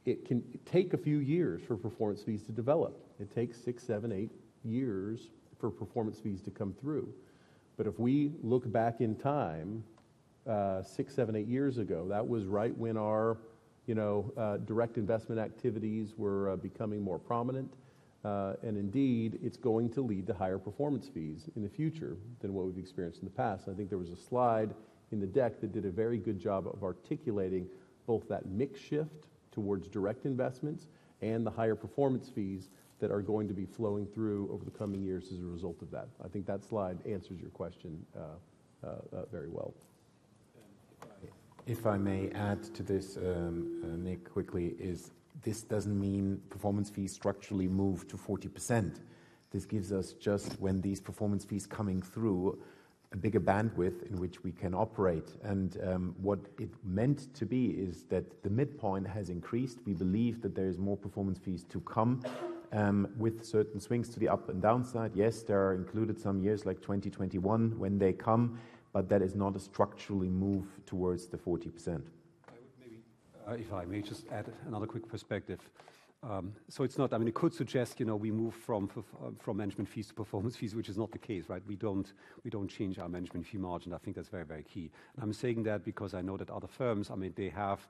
It can take a few years for performance fees to develop. It takes six, seven, eight years for performance fees to come through. But if we look back in time, six, seven, eight years ago, that was right when our direct investment activities were becoming more prominent. And indeed, it's going to lead to higher performance fees in the future than what we've experienced in the past. And I think there was a slide in the deck that did a very good job of articulating both that mix shift towards direct investments and the higher performance fees that are going to be flowing through over the coming years as a result of that. I think that slide answers your question very well. If I may add to this, Nick, quickly, is this doesn't mean performance fees structurally move to 40%. This gives us just, when these performance fees coming through, a bigger bandwidth in which we can operate. And what it meant to be is that the midpoint has increased. We believe that there is more performance fees to come with certain swings to the up and downside. Yes, there are included some years like 2021 when they come, but that is not a structurally move towards the 40%. I would maybe, if I may, just add another quick perspective. So it's not, I mean, it could suggest we move from management fees to performance fees, which is not the case, right? We don't change our management fee margin. I think that's very, very key. And I'm saying that because I know that other firms, I mean, they have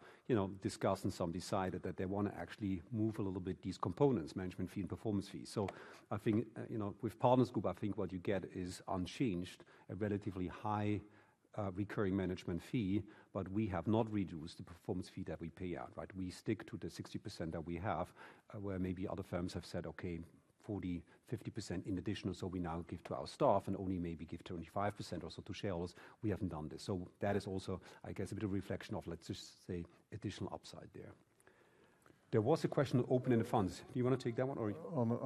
discussed and some decided that they want to actually move a little bit these components, management fee and performance fee. So I think with Partners Group, I think what you get is unchanged, a relatively high recurring management fee. But we have not reduced the performance fee that we pay out, right? We stick to the 60% that we have, where maybe other firms have said, "Okay, 40%, 50% in additional, so we now give to our staff and only maybe give 25% or so to shareholders." We haven't done this. So that is also, I guess, a bit of reflection of, let's just say, additional upside there. There was a question open in the funds. Do you want to take that one, or?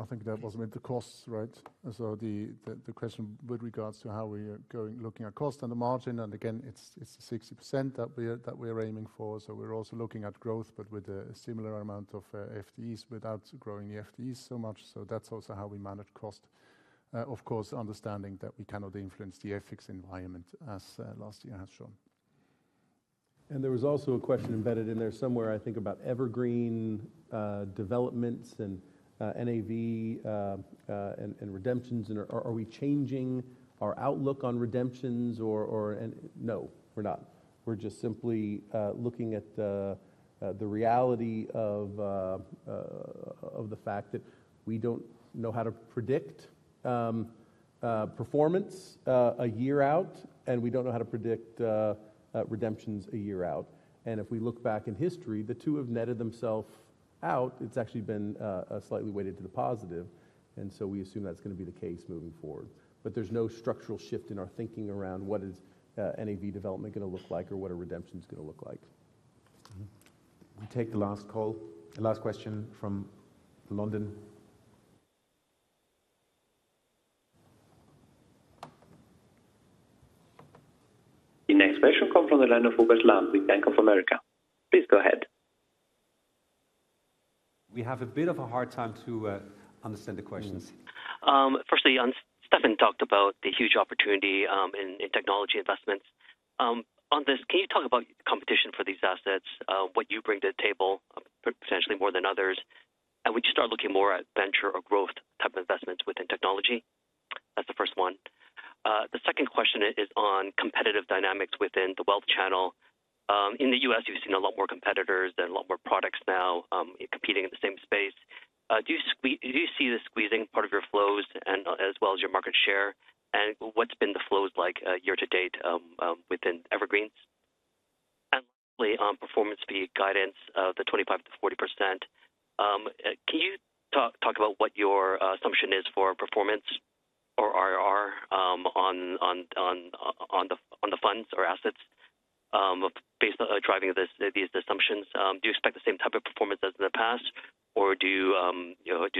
I think that wasn't with the costs, right? So the question with regards to how we are looking at cost and the margin, and again, it's the 60% that we are aiming for. So we're also looking at growth, but with a similar amount of FTEs without growing the FTEs so much. So that's also how we manage cost, of course, understanding that we cannot influence the FX environment, as last year has shown. There was also a question embedded in there somewhere, I think, about evergreen developments and NAV and redemptions. Are we changing our outlook on redemptions? No, we're not. We're just simply looking at the reality of the fact that we don't know how to predict performance a year out, and we don't know how to predict redemptions a year out. If we look back in history, the two have netted themselves out. It's actually been slightly weighted to the positive. So we assume that's going to be the case moving forward. But there's no structural shift in our thinking around what is NAV development going to look like or what are redemptions going to look like. We take the last call, last question from London. The next question comes from the line of Hubert Lam with Bank of America. Please go ahead. We have a bit of a hard time to understand the questions. Firstly, Steffen talked about the huge opportunity in technology investments. On this, can you talk about competition for these assets, what you bring to the table, potentially more than others, and would you start looking more at venture or growth type of investments within technology? That's the first one. The second question is on competitive dynamics within the wealth channel. In the U.S., you've seen a lot more competitors and a lot more products now competing in the same space. Do you see the squeezing part of your flows as well as your market share? And what's been the flows like year to date within evergreens? And lastly, on performance fee guidance, the 25%-40%, can you talk about what your assumption is for performance or IRR on the funds or assets based on driving these assumptions? Do you expect the same type of performance as in the past, or do you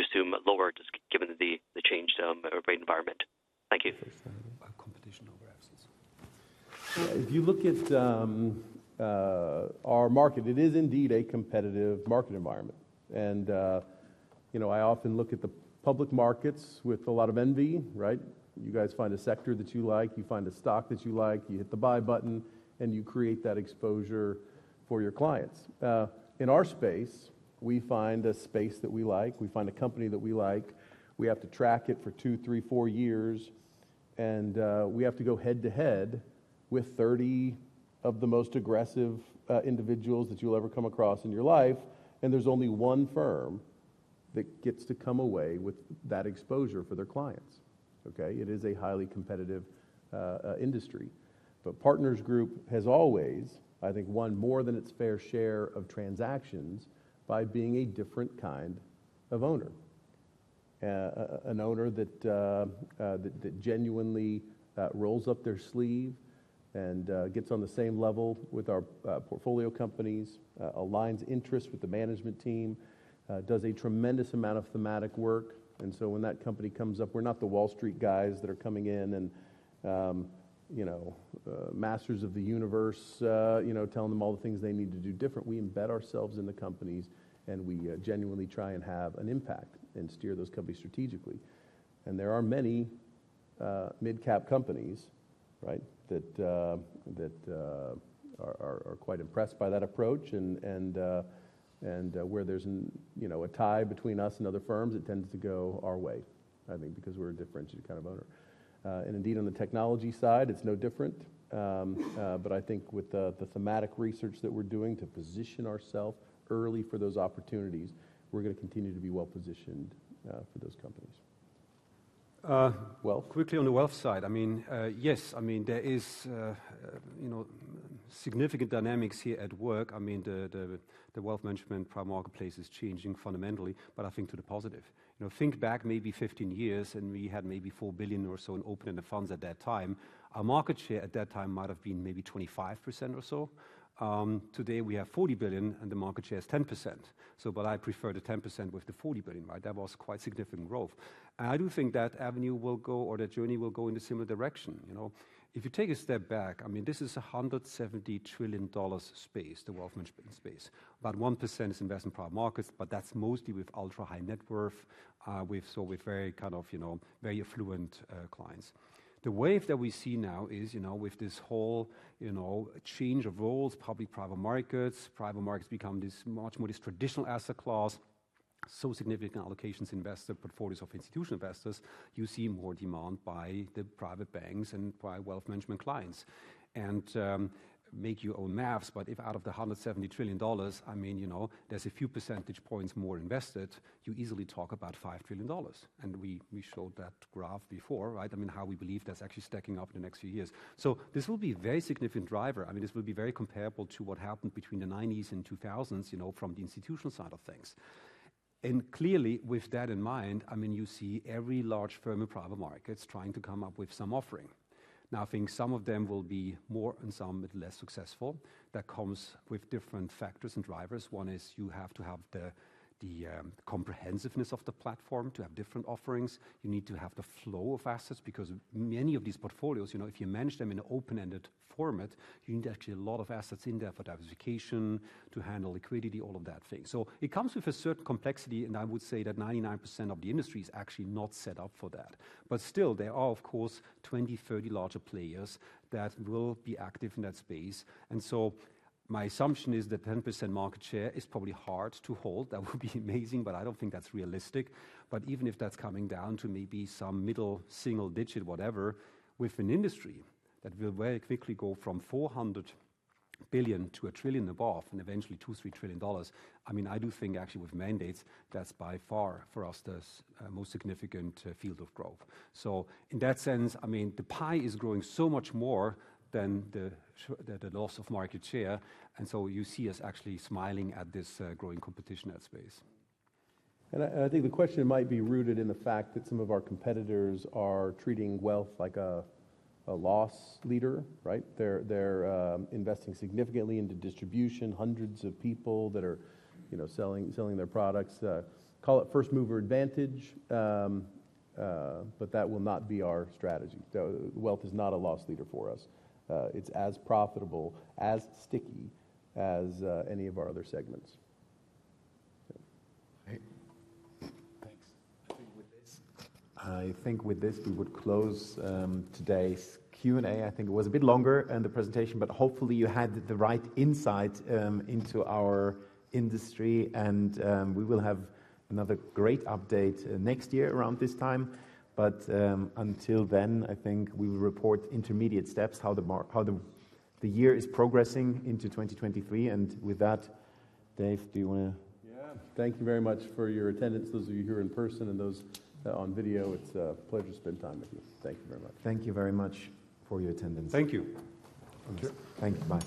assume lower just given the changed rate environment? Thank you. Competition over abundance. If you look at our market, it is indeed a competitive market environment. I often look at the public markets with a lot of envy, right? You guys find a sector that you like. You find a stock that you like. You hit the buy button, and you create that exposure for your clients. In our space, we find a space that we like. We find a company that we like. We have to track it for two, three, four years. We have to go head to head with 30 of the most aggressive individuals that you'll ever come across in your life. There's only one firm that gets to come away with that exposure for their clients, okay? It is a highly competitive industry. But Partners Group has always, I think, won more than its fair share of transactions by being a different kind of owner, an owner that genuinely rolls up their sleeve and gets on the same level with our portfolio companies, aligns interests with the management team, does a tremendous amount of thematic work. And so when that company comes up, we're not the Wall Street guys that are coming in and masters of the universe telling them all the things they need to do different. We embed ourselves in the companies, and we genuinely try and have an impact and steer those companies strategically. And there are many mid-cap companies, right, that are quite impressed by that approach. And where there's a tie between us and other firms, it tends to go our way, I think, because we're a differentiated kind of owner. Indeed, on the technology side, it's no different. But I think with the thematic research that we're doing to position ourselves early for those opportunities, we're going to continue to be well-positioned for those companies. Well, quickly on the wealth side, I mean, yes, I mean, there is significant dynamics here at work. I mean, the wealth management primary marketplace is changing fundamentally, but I think to the positive. Think back maybe 15 years, and we had maybe 4 billion or so open in the funds at that time. Our market share at that time might have been maybe 25% or so. Today, we have 40 billion, and the market share is 10%. But I prefer the 10% with the 40 billion, right? That was quite significant growth. And I do think that avenue will go or that journey will go in a similar direction. If you take a step back, I mean, this is a $170 trillion space, the wealth management space. About 1% is investment primary markets, but that's mostly with ultra-high net worth, so with very kind of very affluent clients. The wave that we see now is with this whole change of roles, public-private markets, private markets become much more this traditional asset class, so significant allocations investor portfolios of institutional investors, you see more demand by the private banks and by wealth management clients. Make your own math. But if out of the $170 trillion, I mean, there's a few percentage points more invested, you easily talk about $5 trillion. And we showed that graph before, right? I mean, how we believe that's actually stacking up in the next few years. So this will be a very significant driver. I mean, this will be very comparable to what happened between the '90s and 2000s from the institutional side of things. And clearly, with that in mind, I mean, you see every large firm in private markets trying to come up with some offering. Now, I think some of them will be more and some a bit less successful. That comes with different factors and drivers. One is you have to have the comprehensiveness of the platform to have different offerings. You need to have the flow of assets because many of these portfolios, if you manage them in an open-ended format, you need actually a lot of assets in there for diversification, to handle liquidity, all of that thing. So it comes with a certain complexity. And I would say that 99% of the industry is actually not set up for that. But still, there are, of course, 20, 30 larger players that will be active in that space. And so my assumption is that 10% market share is probably hard to hold. That would be amazing, but I don't think that's realistic. But even if that's coming down to maybe some middle single digit, whatever, with an industry that will very quickly go from $400 billion to $1 trillion above and eventually $2 trillion-$3 trillion, I mean, I do think actually with mandates, that's by far for us the most significant field of growth. So in that sense, I mean, the pie is growing so much more than the loss of market share. And so you see us actually smiling at this growing competition that space. And I think the question might be rooted in the fact that some of our competitors are treating wealth like a loss leader, right? They're investing significantly into distribution, hundreds of people that are selling their products, call it first mover advantage, but that will not be our strategy. Wealth is not a loss leader for us. It's as profitable, as sticky, as any of our other segments. Thanks. I think with this. I think with this, we would close today's Q&A. I think it was a bit longer in the presentation, but hopefully, you had the right insight into our industry. We will have another great update next year around this time. But until then, I think we will report intermediate steps, how the year is progressing into 2023. And with that, Dave, do you want to? Yeah. Thank you very much for your attendance, those of you here in person and those on video. It's a pleasure to spend time with you. Thank you very much. Thank you very much for your attendance. Thank you. Thank you. Bye.